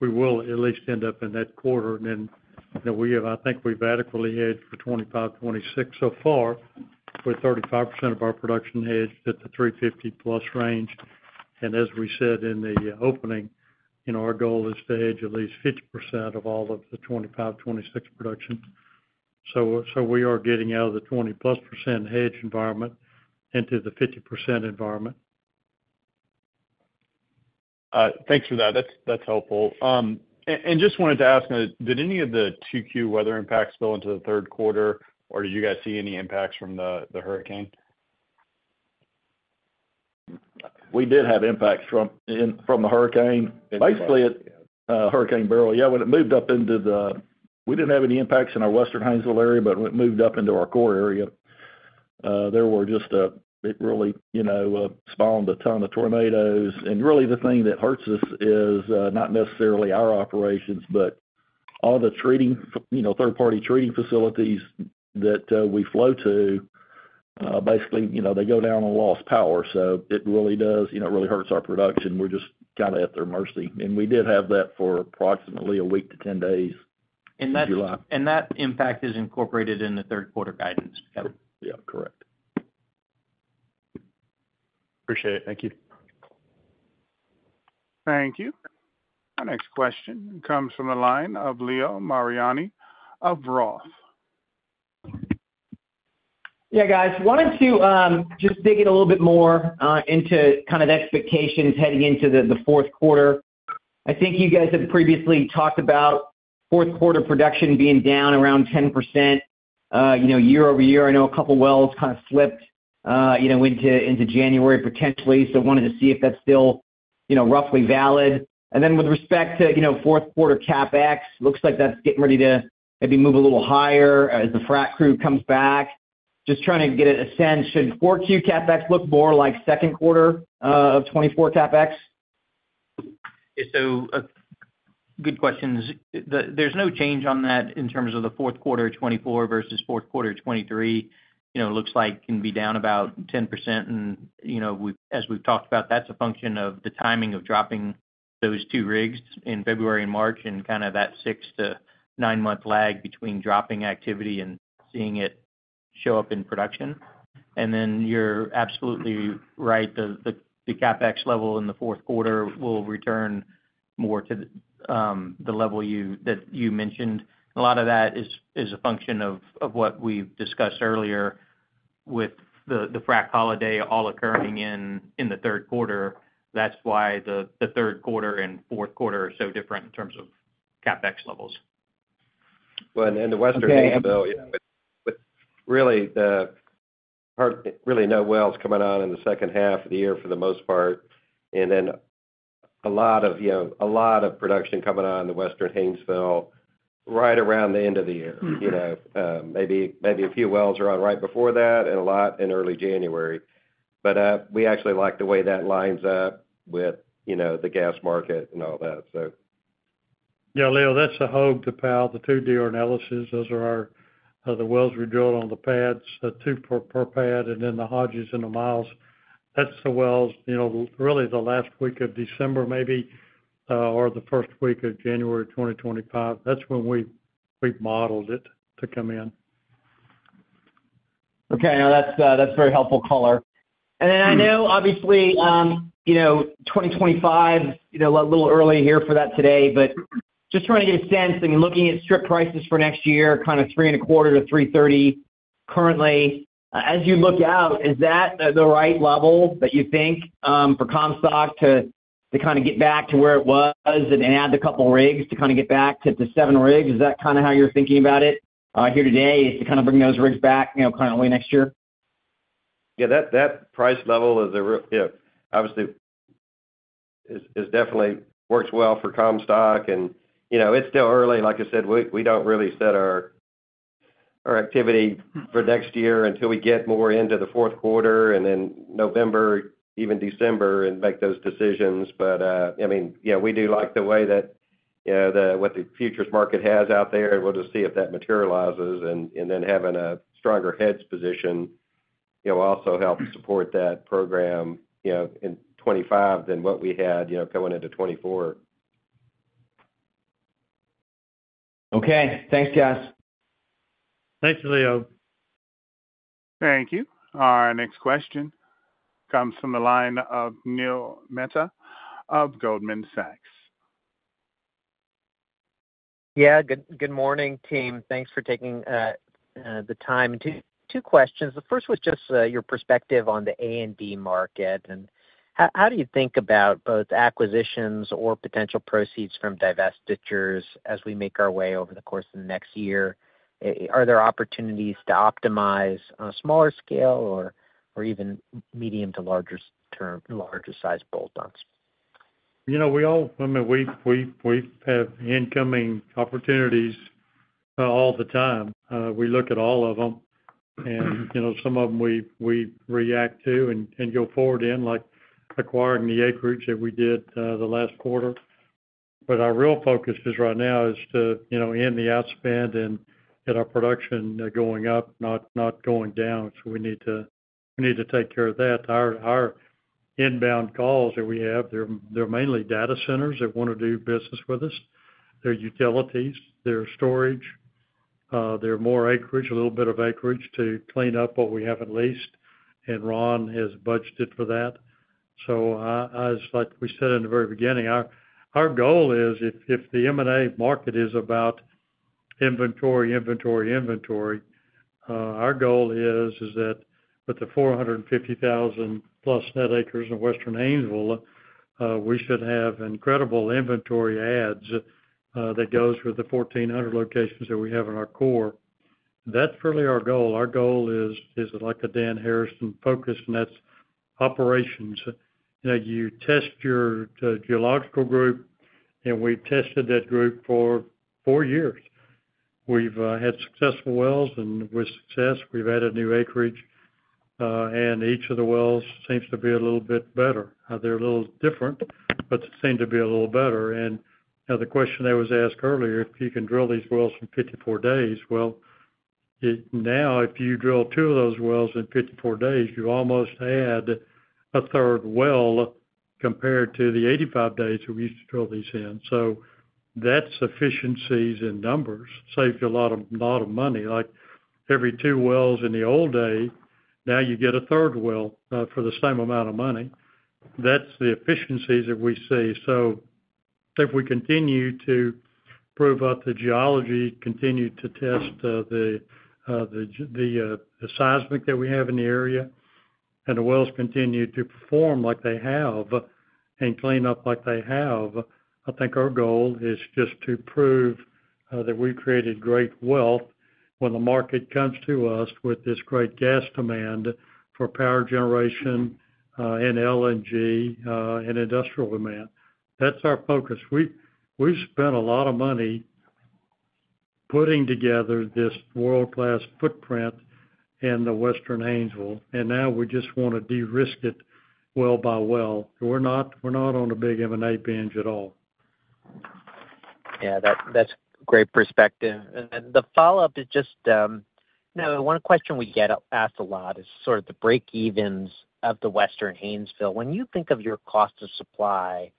we will at least end up in that quarter. And then, you know, we have—I think we've adequately hedged for 2025, 2026 so far, with 35% of our production hedged at the $3.50+ range. And as we said in the opening, you know, our goal is to hedge at least 50% of all of the 2025, 2026 production. So we are getting out of the 20%+ hedge environment into the 50% environment. Thanks for that. That's helpful. Just wanted to ask, did any of the 2Q weather impacts spill into the third quarter? Or did you guys see any impacts from the hurricane? We did have impacts from the hurricane. Basically, Hurricane Beryl. Yeah, when it moved up into the... We didn't have any impacts in our Western Haynesville area, but when it moved up into our core area, there were just it really, you know, spawned a ton of tornadoes. And really, the thing that hurts us is not necessarily our operations, but all the treating, you know, third-party treating facilities that we flow to, basically, you know, they go down and lost power. So it really does, you know, it really hurts our production. We're just kind of at their mercy. And we did have that for approximately a week to 10 days in July. That impact is incorporated in the third quarter guidance? Yep. Yeah, correct. Appreciate it. Thank you. Thank you. Our next question comes from the line of Leo Mariani of Roth. Yeah, guys, wanted to just dig in a little bit more into kind of expectations heading into the fourth quarter... I think you guys have previously talked about fourth quarter production being down around 10%, you know, year-over-year. I know a couple of wells kind of slipped, you know, into January, potentially. So wanted to see if that's still, you know, roughly valid. And then with respect to fourth quarter CapEx, looks like that's getting ready to maybe move a little higher as the frac crew comes back. Just trying to get a sense, should 4Q CapEx look more like second quarter of 2024 CapEx? So, good questions. There's no change on that in terms of the fourth quarter of 2024 versus fourth quarter of 2023. You know, it looks like it can be down about 10%, and, you know, we've as we've talked about, that's a function of the timing of dropping those two rigs in February and March, and kind of that six-nine month lag between dropping activity and seeing it show up in production. And then you're absolutely right. The, the, the CapEx level in the fourth quarter will return more to the, the level you-- that you mentioned. A lot of that is, is a function of, of what we've discussed earlier with the, the frack holiday all occurring in, in the third quarter. That's why the, the third quarter and fourth quarter are so different in terms of CapEx levels. Well, and in the Western Haynesville, yeah, but, but really the part, really, no wells coming on in the second half of the year for the most part, and then a lot of, you know, a lot of production coming on in the Western Haynesville right around the end of the year. Mm-hmm. You know, maybe, maybe a few wells are online right before that and a lot in early January. But, we actually like the way that lines up with, you know, the gas market and all that, so. Yeah, Leo, that's the Hogue, the Powell, the two-year analysis. Those are our, the wells we drilled on the pads, the two per pad, and then the Hodges and the Myers. That's the wells, you know, really the last week of December, maybe, or the first week of January 2025. That's when we've modeled it to come in. Okay, now that's, that's very helpful color. Mm-hmm. And then I know, obviously, you know, 2025, you know, a little early here for that today, but just trying to get a sense, I mean, looking at strip prices for next year, kind of $3.25-$3.30 currently. As you look out, is that the right level that you think for Comstock to kind of get back to where it was and add a couple rigs to kind of get back to the seven rigs? Is that kind of how you're thinking about it here today, is to kind of bring those rigs back, you know, kind of early next year? Yeah, that price level, yeah, obviously, is definitely works well for Comstock. And, you know, it's still early. Like I said, we don't really set our activity for next year until we get more into the fourth quarter, and then November, even December, and make those decisions. But, I mean, yeah, we do like the way that, you know, what the futures market has out there, and we'll just see if that materializes. And then having a stronger hedge position, you know, will also help support that program, you know, in 2025 than what we had, you know, coming into 2024. Okay. Thanks, guys. Thanks, Leo. Thank you. Our next question comes from the line of Neil Mehta of Goldman Sachs. Yeah, good morning, team. Thanks for taking the time. Two, two questions. The first was just your perspective on the A&D market, and how do you think about both acquisitions or potential proceeds from divestitures as we make our way over the course of the next year? Are there opportunities to optimize on a smaller scale or even medium to larger term, larger size bolt-ons? You know, we all—I mean, we have incoming opportunities all the time. We look at all of them, and- Mm-hmm You know, some of them we react to and go forward in, like acquiring the acreage that we did the last quarter. But our real focus is right now is to, you know, end the outspend and get our production going up, not going down. So we need to take care of that. Our inbound calls that we have, they're mainly data centers that want to do business with us. They're utilities, they're storage, they're more acreage, a little bit of acreage to clean up what we have at least, and Ron has budgeted for that. So, as like we said in the very beginning, our goal is if the M&A market is about inventory, inventory, inventory, our goal is that with the 450,000+ net acres in Western Haynesville, we should have incredible inventory adds, that goes with the 1,400 locations that we have in our core. That's really our goal. Our goal is like a Dan Harrison focus, and that's operations. You know, you test your geological group, and we've tested that group for four years. We've had successful wells, and with success, we've added new acreage, and each of the wells seems to be a little bit better. They're a little different, but seem to be a little better. You know, the question that was asked earlier, if you can drill these wells in 54 days, well, now, if you drill two of those wells in 54 days, you almost add a third well compared to the 85 days we used to drill these in. So that's efficiencies in numbers, saves you a lot of, lot of money. Like, every two wells in the old day, now you get a third well for the same amount of money. That's the efficiencies that we see. So if we continue to- -prove out the geology, continue to test the seismic that we have in the area, and the wells continue to perform like they have and clean up like they have. I think our goal is just to prove that we've created great wealth when the market comes to us with this great gas demand for power generation, and LNG, and industrial demand. That's our focus. We've spent a lot of money putting together this world-class footprint in the Western Haynesville, and now we just want to de-risk it well by well. We're not on a big M&A binge at all. Yeah, that, that's great perspective. And the follow-up is just, you know, one question we get asked a lot is sort of the breakevens of the Western Haynesville. When you think of your cost of supply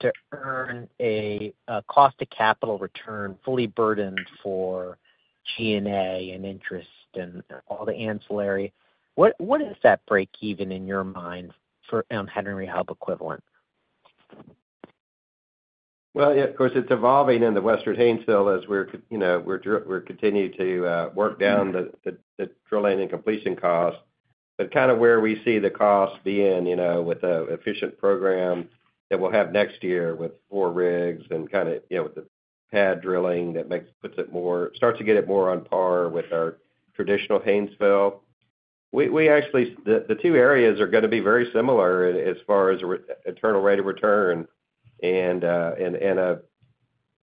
to earn a cost to capital return, fully burdened for G&A and interest and all the ancillary, what, what is that breakeven in your mind for Henry Hub equivalent? Well, yeah, of course, it's evolving in the Western Haynesville as we're, you know, continuing to work down the drilling and completion costs. But kind of where we see the costs being, you know, with a efficient program that we'll have next year with four rigs and kind of, you know, with the pad drilling, that makes- puts it more, starts to get it more on par with our traditional Haynesville. We actually- the two areas are gonna be very similar as far as internal rate of return and a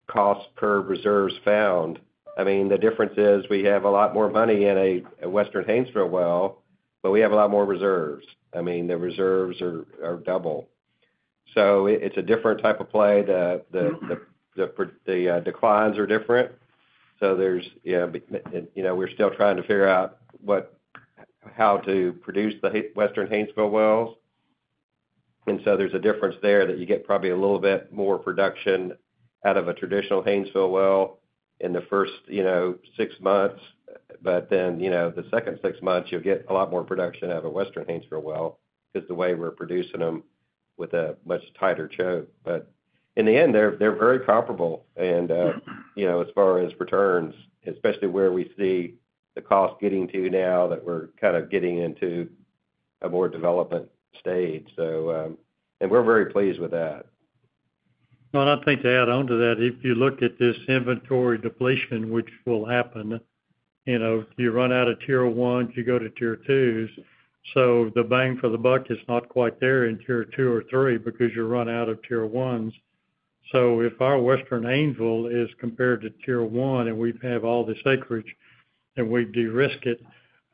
cost per reserves found. I mean, the difference is we have a lot more money in a Western Haynesville well, but we have a lot more reserves. I mean, the reserves are double. So it's a different type of play. The- Mm-hmm -the declines are different. So, you know, we're still trying to figure out how to produce the Western Haynesville wells. And so there's a difference there, that you get probably a little bit more production out of a traditional Haynesville well in the first, you know, six months. But then, you know, the second six months, you'll get a lot more production out of a Western Haynesville well, 'cause the way we're producing them with a much tighter choke. But in the end, they're very comparable. And, you know, as far as returns, especially where we see the cost getting to now that we're kind of getting into a more development stage. So we're very pleased with that. Well, and I think to add on to that, if you look at this inventory depletion, which will happen, you know, you run out of tier ones, you go to tier twos, so the bang for the buck is not quite there in tier two or three because you run out of tier ones. So if our Western Haynesville is compared to tier one, and we have all this acreage, and we de-risk it,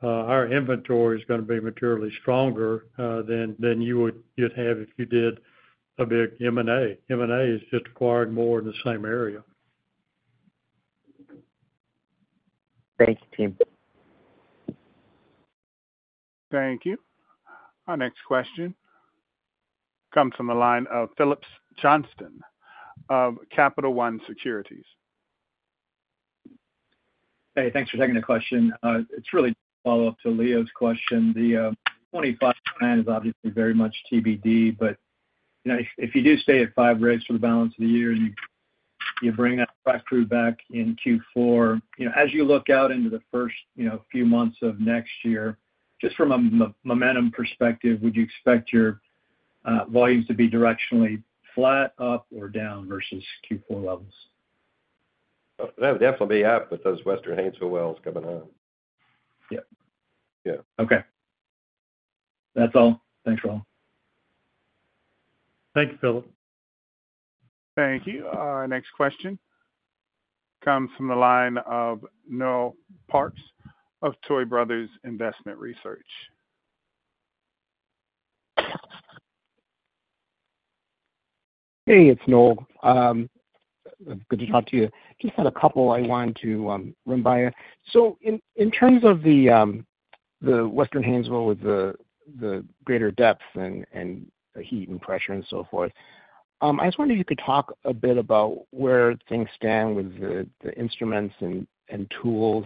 our inventory is gonna be materially stronger than you would have if you did a big M&A. M&A is just acquiring more in the same area. Thank you, team. Thank you. Our next question comes from the line of Phillips Johnston of Capital One Securities. Hey, thanks for taking the question. It's really a follow-up to Leo's question. The 2025 plan is obviously very much TBD, but you know, if you do stay at five rigs for the balance of the year, and you bring that crew back in Q4, you know, as you look out into the first few months of next year, just from a momentum perspective, would you expect your volumes to be directionally flat, up or down versus Q4 levels? That would definitely be up with those Western Haynesville wells coming on. Yep. Yeah. Okay. That's all. Thanks, Roland. Thank you, Phillips. Thank you. Our next question comes from the line of Noel Parks of Tuohy Brothers Investment Research. Hey, it's Noel. Good to talk to you. Just had a couple I wanted to run by you. So in terms of the Western Haynesville with the greater depth and the heat and pressure and so forth, I was wondering if you could talk a bit about where things stand with the instruments and tools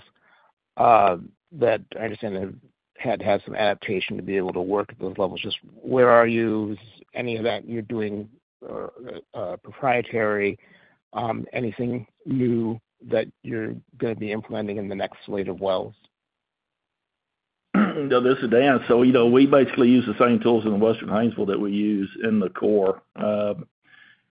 that I understand have had to have some adaptation to be able to work at those levels. Just where are you? Any of that you're doing proprietary, anything new that you're gonna be implementing in the next slate of wells? No, this is Dan. So, you know, we basically use the same tools in the Western Haynesville that we use in the core.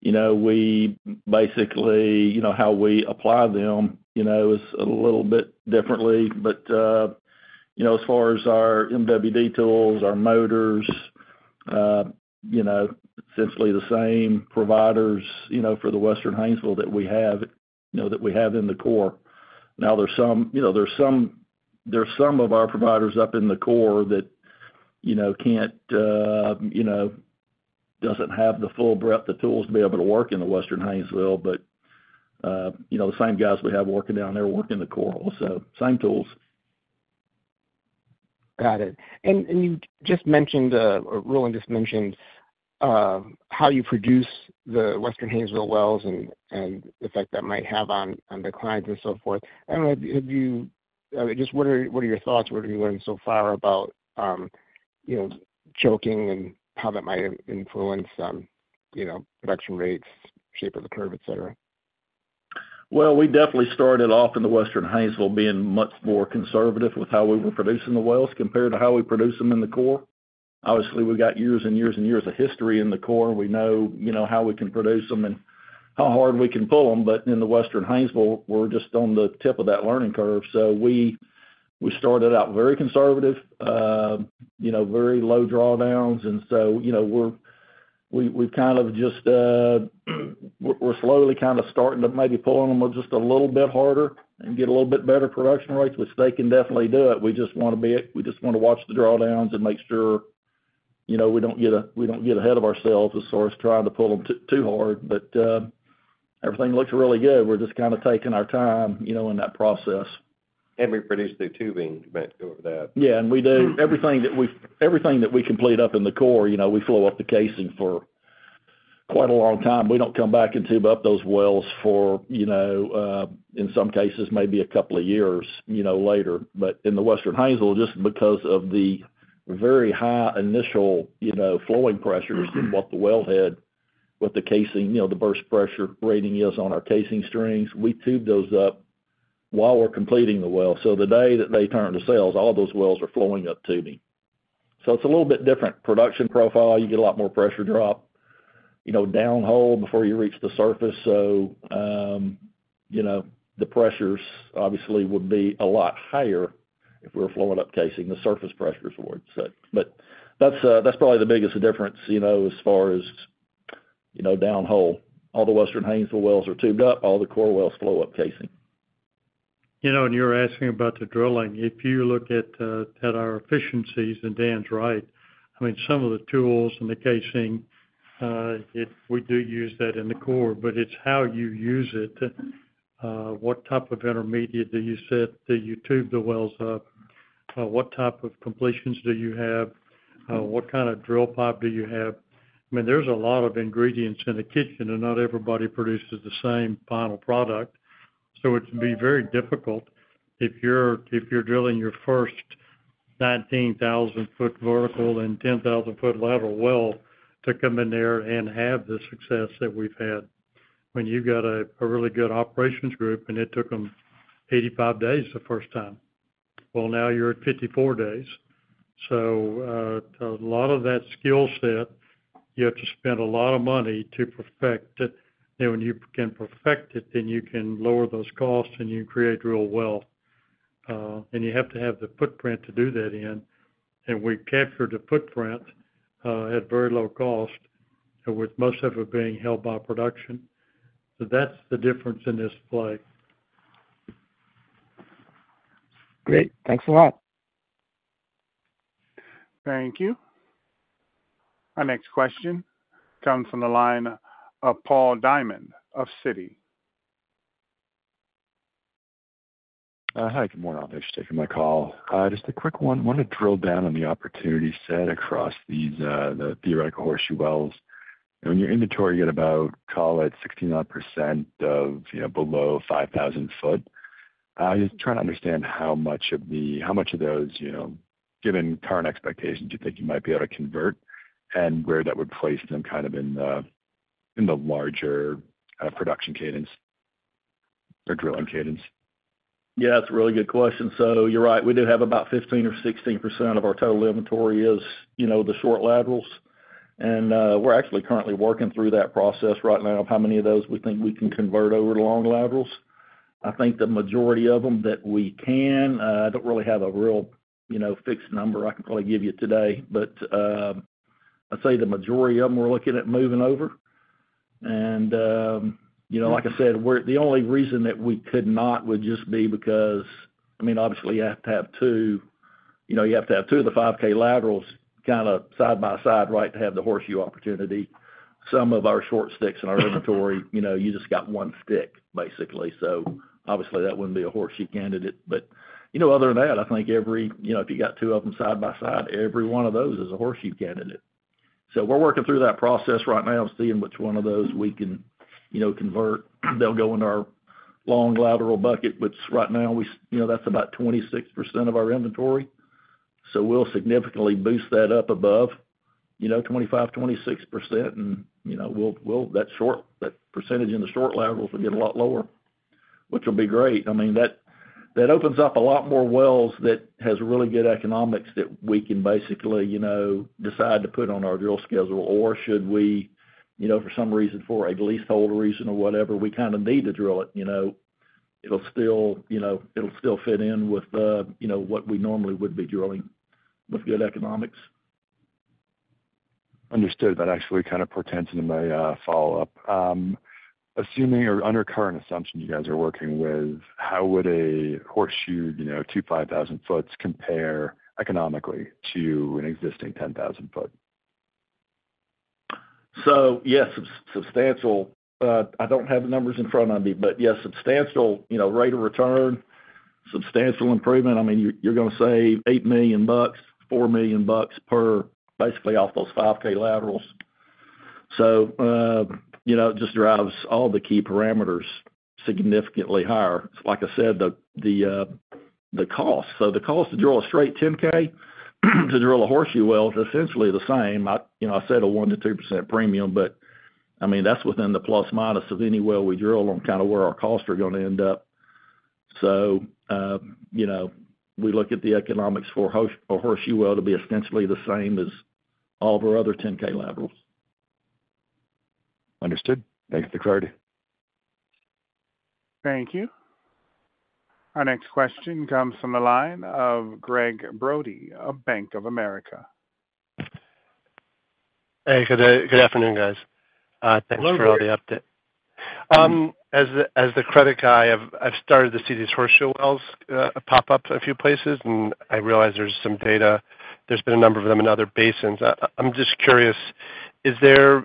You know, we basically, you know, how we apply them, you know, is a little bit differently. But, you know, as far as our MWD tools, our motors, you know, essentially the same providers, you know, for the Western Haynesville that we have, you know, that we have in the core. Now, there's some, you know, there's some, there are some of our providers up in the core that, you know, can't, you know, doesn't have the full breadth of tools to be able to work in the Western Haynesville, but, you know, the same guys we have working down there work in the core also. Same tools. Got it. And you just mentioned, or Roland just mentioned, how you produce the Western Haynesville wells and the effect that might have on the clients and so forth. I don't know. I mean, just what are your thoughts? What have you learned so far about, you know, choking and how that might influence, you know, production rates, shape of the curve, et cetera? Well, we definitely started off in the Western Haynesville being much more conservative with how we were producing the wells compared to how we produce them in the core. Obviously, we've got years and years and years of history in the core. We know, you know, how we can produce them and how hard we can pull them. But in the Western Haynesville, we're just on the tip of that learning curve. So we started out very conservative, you know, very low drawdowns. And so, you know, we've kind of just, we're slowly kind of starting to maybe pulling them just a little bit harder and get a little bit better production rates, which they can definitely do it. We just want to be, we just want to watch the drawdowns and make sure, you know, we don't get, we don't get ahead of ourselves as far as trying to pull them too, too hard. But, everything looks really good. We're just kind of taking our time, you know, in that process. We produce through tubing, you meant, over that. Yeah, and we do. Everything that we complete up in the core, you know, we flow up the casing for quite a long time. We don't come back and tube up those wells for, you know, in some cases, maybe a couple of years, you know, later. But in the Western Haynesville, just because of the very high initial, you know, flowing pressures than what the wellhead, with the casing, you know, the burst pressure rating is on our casing strings, we tube those up while we're completing the well. So the day that they turn to sales, all those wells are flowing up tubing. So it's a little bit different. Production profile, you get a lot more pressure drop, you know, downhole before you reach the surface. So, you know, the pressures obviously would be a lot higher if we were flowing up casing, the surface pressures would. So but that's, that's probably the biggest difference, you know, as far as, you know, downhole. All the Western Haynesville wells are tubed up, all the core wells flow up casing. You know, and you're asking about the drilling. If you look at, at our efficiencies, and Dan's right, I mean, some of the tools in the casing, if we do use that in the core, but it's how you use it. What type of intermediate do you set? Do you tube the wells up? What type of completions do you have? What kind of drill pipe do you have? I mean, there's a lot of ingredients in the kitchen, and not everybody produces the same final product. So it can be very difficult if you're drilling your first 19,000-foot vertical and 10,000-foot lateral well to come in there and have the success that we've had. When you've got a really good operations group, and it took them 85 days the first time. Well, now you're at 54 days. So, a lot of that skill set, you have to spend a lot of money to perfect it. And when you can perfect it, then you can lower those costs, and you create real wealth. And you have to have the footprint to do that in, and we captured a footprint, at very low cost, and with most of it being held by production. So that's the difference in this play. Great. Thanks a lot. Thank you. Our next question comes from the line of Paul Diamond of Citi. Hi, good morning. Thanks for taking my call. Just a quick one. Wanted to drill down on the opportunity set across these, the theoretical horseshoe wells. In your inventory, you had about, call it 16-odd% of, you know, below 5,000 ft. I'm just trying to understand how much of the, how much of those, you know, given current expectations, you think you might be able to convert, and where that would place them kind of in the, in the larger, production cadence or drilling cadence? Yeah, that's a really good question. So you're right, we do have about 15% or 16% of our total inventory is, you know, the short laterals. And, we're actually currently working through that process right now of how many of those we think we can convert over to long laterals. I think the majority of them that we can, I don't really have a real, you know, fixed number I can probably give you today, but, I'd say the majority of them we're looking at moving over. And, you know, like I said, we're the only reason that we could not would just be because, I mean, obviously, you have to have two, you know, you have to have two of the 5K laterals kind of side by side, right, to have the horseshoe opportunity. Some of our short sticks in our inventory, you know, you just got one stick, basically. So obviously, that wouldn't be a horseshoe candidate. But, you know, other than that, I think every, you know, if you got two of them side by side, every one of those is a horseshoe candidate. So we're working through that process right now, seeing which one of those we can, you know, convert. They'll go into our long lateral bucket, which right now, we, you know, that's about 26% of our inventory. So we'll significantly boost that up above, you know, 25%-26%. And, you know, we'll, we'll-- that short, that percentage in the short laterals will get a lot lower, which will be great. I mean, that, that opens up a lot more wells that has really good economics that we can basically, you know, decide to put on our drill schedule, or should we, you know, for some reason, for a leasehold reason or whatever, we kind of need to drill it, you know, it'll still, you know, it'll still fit in with, you know, what we normally would be drilling with good economics. Understood. That actually kind of portends into my follow-up. Assuming or under current assumptions you guys are working with, how would a horseshoe, you know, 25,000-foot compare economically to an existing 10,000-foot? So yes, substantial. I don't have the numbers in front of me, but yes, substantial, you know, rate of return, substantial improvement. I mean, you're gonna save $8 million bucks, $4 million bucks, per basically off those 5K laterals. So, you know, it just drives all the key parameters significantly higher. Like I said, the cost. So the cost to drill a straight 10K, to drill a horseshoe well is essentially the same. You know, I said a 1%-2% premium, but I mean, that's within the plus minus of any well we drill on kind of where our costs are gonna end up. So, you know, we look at the economics for a horseshoe well to be essentially the same as all of our other 10K laterals. Understood. Thanks for your clarity. Thank you. Our next question comes from the line of Gregg Brody of Bank of America. Hey, good day, good afternoon, guys. Thanks for all the update. As the credit guy, I've started to see these horseshoe wells pop up in a few places, and I realize there's some data. There's been a number of them in other basins. I'm just curious, is there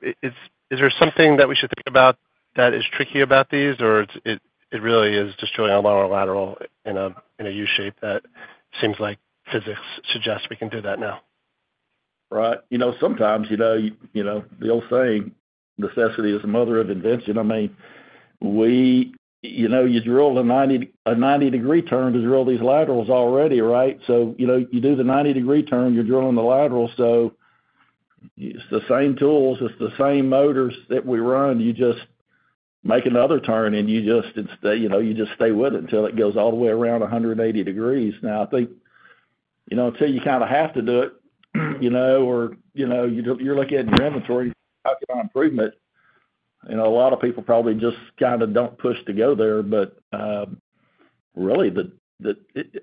something that we should think about that is tricky about these, or it really is just drilling our lateral in a U shape that seems like physics suggests we can do that now? Right. You know, sometimes, you know, you know, the old saying, necessity is the mother of invention. I mean, we- you know, you drill a 90, a 90-degree turn to drill these laterals already, right? So, you know, you do the 90-degree turn, you're drilling the lateral, so it's the same tools, it's the same motors that we run. You just make another turn, and you just stay, you know, you just stay with it until it goes all the way around 180 degrees. Now, I think, you know, until you kind of have to do it, you know, or, you know, you're, you're looking at your inventory, how can I improve it? You know, a lot of people probably just kind of don't push to go there, but really,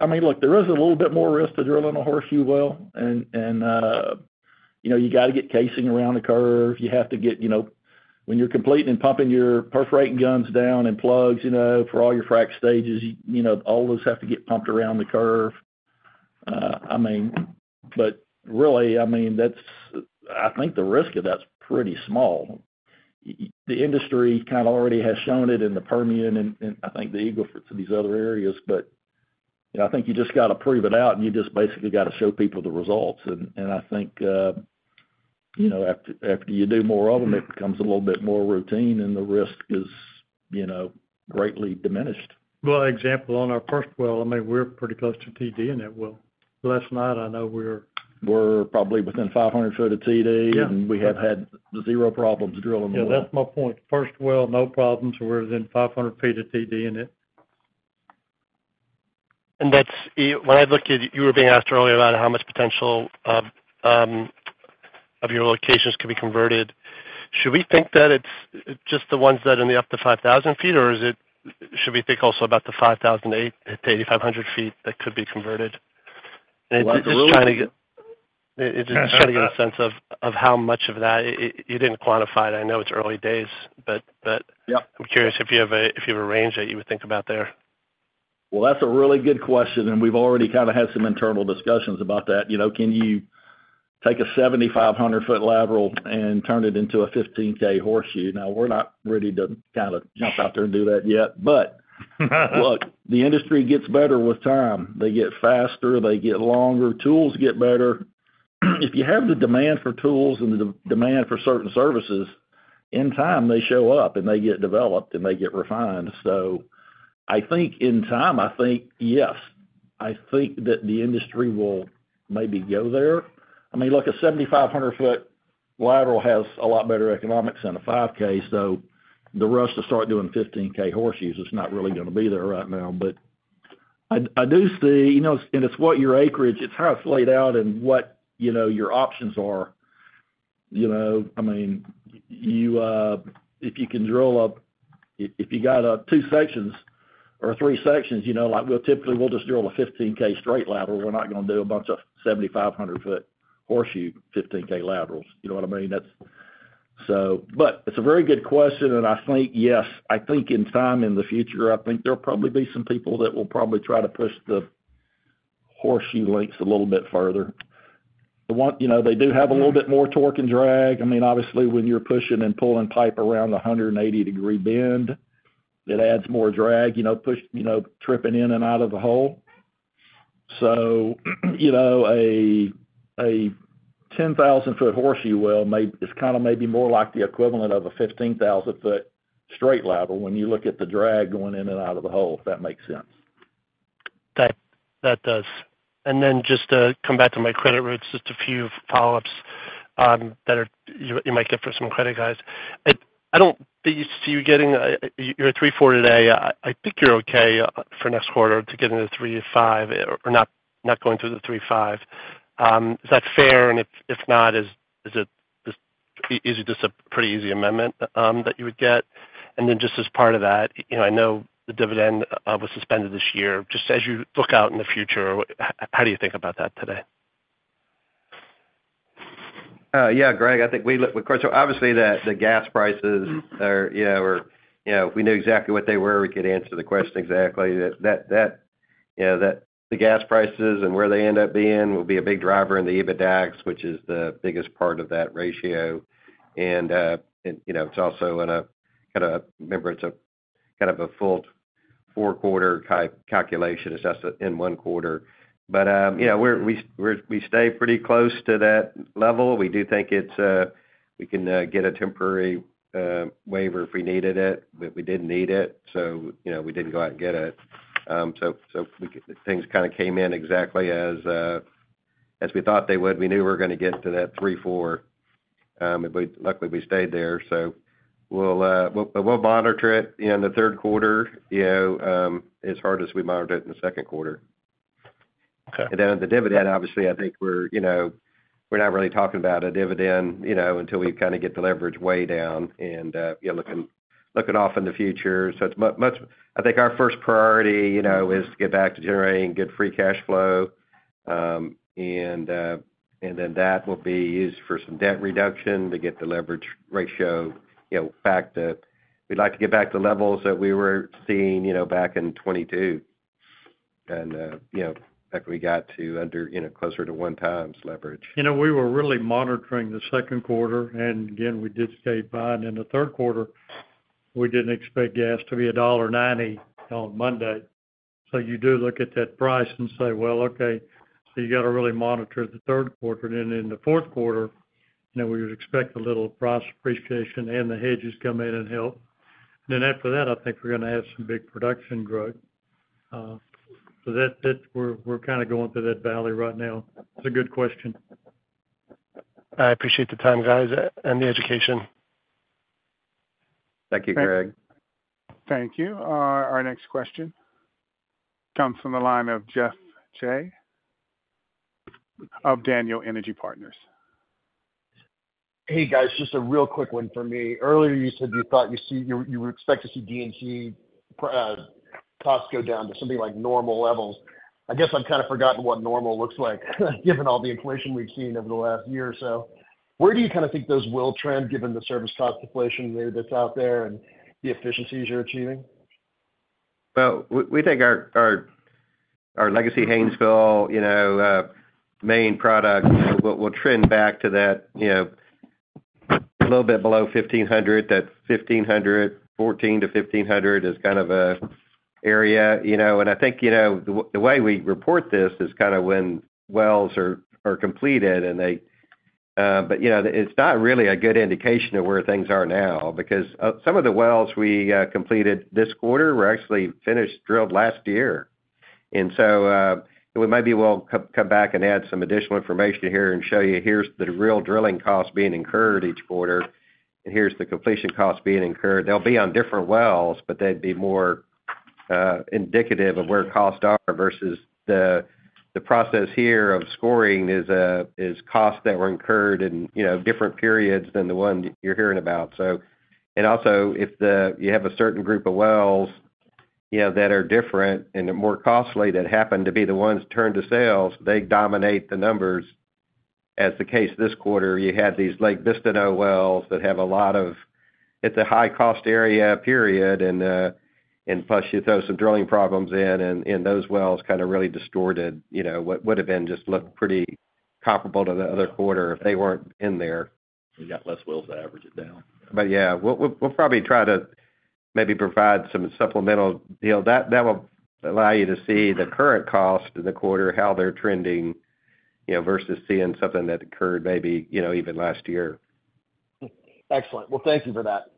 I mean, look, there is a little bit more risk to drilling a horseshoe well, and you know, you got to get casing around the curve. You have to get, you know, when you're completing and pumping your perforating guns down and plugs, you know, for all your frack stages, you know, all those have to get pumped around the curve. I mean, but really, I mean, that's I think the risk of that's pretty small. The industry kind of already has shown it in the Permian and I think the Eagle Ford, these other areas. But, you know, I think you just got to prove it out, and you just basically got to show people the results. I think, you know, after you do more of them, it becomes a little bit more routine, and the risk is, you know, greatly diminished. Well, for example, on our first well, I mean, we're pretty close to TD in that well. Last night, I know we were- We're probably within 500 foot of TD. Yeah. We have had zero problems drilling the well. Yeah, that's my point. First well, no problems. We're within 500 ft to TD in it. And that's, when I look at, you were being asked earlier about how much potential of your locations could be converted. Should we think that it's just the ones that are in the up to 5,000 ft, or is it—should we think also about the 5,800 ft-8,500 ft that could be converted? What, really? Just trying to get a sense of how much of that... You didn't quantify it. I know it's early days, but- Yeah. I'm curious if you have a range that you would think about there. Well, that's a really good question, and we've already kind of had some internal discussions about that. You know, can you take a 7,500-foot lateral and turn it into a 15K horseshoe? Now, we're not ready to kind of jump out there and do that yet. But look, the industry gets better with time. They get faster, they get longer, tools get better. If you have the demand for tools and the demand for certain services, in time, they show up, and they get developed, and they get refined. So I think in time, I think, yes, I think that the industry will maybe go there. I mean, look, a 7,500-foot lateral has a lot better economics than a 5K, so the rush to start doing 15K horseshoes is not really gonna be there right now. But I do see, you know, and it's what your acreage, it's how it's laid out and what, you know, your options are. You know, I mean, you, if you can drill—if you got two sections or three sections, you know, like we'll typically, we'll just drill a 15K straight lateral, we're not gonna do a bunch of 7,500-foot horseshoe 15K laterals. You know what I mean? That's. So, but it's a very good question, and I think, yes, I think in time, in the future, I think there'll probably be some people that will probably try to push the horseshoe lengths a little bit further. The one, you know, they do have a little bit more torque and drag. I mean, obviously, when you're pushing and pulling pipe around a 180-degree bend, it adds more drag, you know, push, you know, tripping in and out of the hole. So, you know, a, a 10,000-foot horseshoe well may- it's kind of maybe more like the equivalent of a 15,000-foot straight lateral when you look at the drag going in and out of the hole, if that makes sense. That does. And then just to come back to my credit roots, just a few follow-ups that you might get for some credit guys. I don't see you getting. You're a three-four today. I think you're okay for next quarter to get into three-five or not, not going through the three-five. Is that fair? And if not, is this a pretty easy amendment that you would get? And then just as part of that, you know, I know the dividend was suspended this year. Just as you look out in the future, how do you think about that today? Yeah, Gregg, I think we'll look, of course, obviously, the gas prices are, you know, we're, you know, we knew exactly what they were. We could answer the question exactly. That, you know, that the gas prices and where they end up being will be a big driver in the EBITDAX, which is the biggest part of that ratio. And, and, you know, it's also, remember, it's a kind of a four-quarter type calculation assessed in one quarter. But, yeah, we stay pretty close to that level. We do think we can get a temporary waiver if we needed it, but we didn't need it, so, you know, we didn't go out and get it. So, things kind of came in exactly as we thought they would. We knew we were gonna get to that three-four, but luckily, we stayed there. So we'll, but we'll monitor it in the third quarter, you know, as hard as we monitored it in the second quarter. Okay. Then on the dividend, obviously, I think we're, you know, we're not really talking about a dividend, you know, until we kind of get the leverage way down and, yeah, looking off in the future. So it's much I think our first priority, you know, is to get back to generating good free cash flow. And then that will be used for some debt reduction to get the leverage ratio, you know, back to... We'd like to get back to levels that we were seeing, you know, back in 2022. And, you know, like, we got to under, you know, closer to one times leverage. You know, we were really monitoring the second quarter, and again, we did stay fine in the third quarter. We didn't expect gas to be $1.90 on Monday. So you do look at that price and say, "Well, okay, so you got to really monitor the third quarter." And then in the fourth quarter, you know, we would expect a little price appreciation and the hedges come in and help. Then after that, I think we're gonna have some big production growth. So that... We're kind of going through that valley right now. It's a good question. I appreciate the time, guys, and the education. Thank you, Gregg. Thank you. Our next question comes from the line of Geoff Jay of Daniel Energy Partners. Hey, guys, just a real quick one for me. Earlier, you said you thought you would expect to see D&C costs go down to something like normal levels. I guess I've kind of forgotten what normal looks like, given all the inflation we've seen over the last year or so. Where do you kind of think those will trend, given the service cost inflation rate that's out there and the efficiencies you're achieving? Well, we think our legacy Haynesville, you know, main product, you know, will trend back to that, you know, a little bit below $1,500. That's $1,500, $1,400-$1,500 is kind of an area, you know. And I think, you know, the way we report this is kind of when wells are completed, and they. But, you know, it's not really a good indication of where things are now, because some of the wells we completed this quarter were actually finished, drilled last year. And so, well, maybe we'll come back and add some additional information here and show you, here's the real drilling costs being incurred each quarter, and here's the completion costs being incurred. They'll be on different wells, but they'd be more indicative of where costs are versus the process here of scoring is costs that were incurred in, you know, different periods than the one you're hearing about. So, and also, if you have a certain group of wells, you know, that are different and they're more costly, that happen to be the ones turned to sales, they dominate the numbers. As the case this quarter, you had these Lake Bistineau wells that have a lot of... It's a high-cost area, period, and plus, you throw some drilling problems in and those wells kind of really distorted, you know, what have been just looked pretty comparable to the other quarter if they weren't in there. We got less wells to average it down. But, yeah, we'll probably try to maybe provide some supplemental deal. That will allow you to see the current cost of the quarter, how they're trending, you know, versus seeing something that occurred maybe, you know, even last year. Excellent. Well, thank you for that.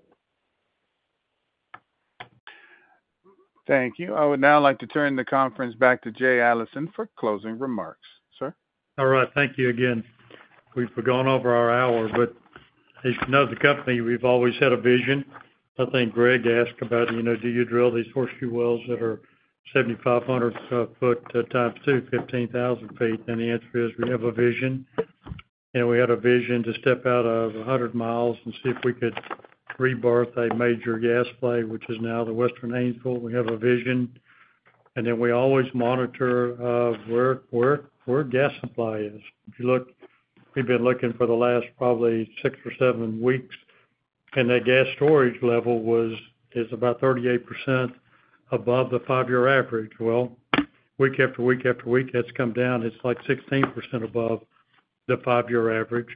Thank you. I would now like to turn the conference back to Jay Allison for closing remarks. Sir? All right. Thank you again. We've gone over our hour, but as you know, the company, we've always had a vision. I think Gregg asked about, you know, do you drill these horseshoe wells that are 7,500ft x2, 15,000 ft? And the answer is, we have a vision, and we had a vision to step out 100 mi and see if we could rebirth a major gas play, which is now the Western Haynesville. We have a vision, and then we always monitor where gas supply is. If you look, we've been looking for the last probably six or seven weeks, and that gas storage level was, is about 38% above the five-year average. Well, week after week after week, it's come down. It's like 16% above the five-year average.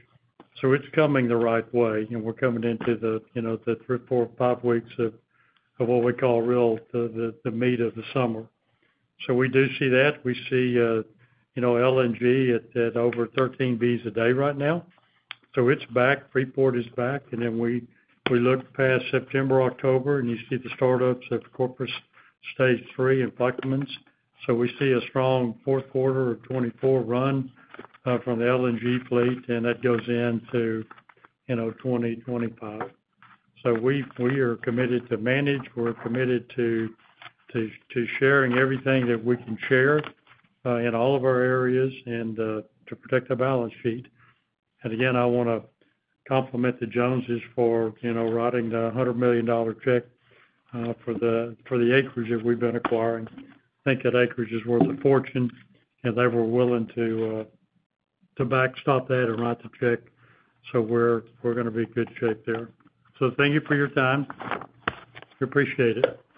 So it's coming the right way, and we're coming into the, you know, the three, four, five weeks of what we call real, the meat of the summer. So we do see that. We see, you know, LNG at over 13 Bs a day right now. So it's back, Freeport is back, and then we look past September, October, and you see the startups at the Corpus Stage 3 and Plaquemines. So we see a strong fourth quarter of 2024 run from the LNG fleet, and that goes into, you know, 2025. So we are committed to manage, we're committed to sharing everything that we can share in all of our areas and to protect our balance sheet. Again, I wanna compliment the Joneses for, you know, writing the $100 million check for the acreage that we've been acquiring. I think that acreage is worth a fortune, and they were willing to backstop that and write the check. So we're gonna be in good shape there. Thank you for your time. We appreciate it.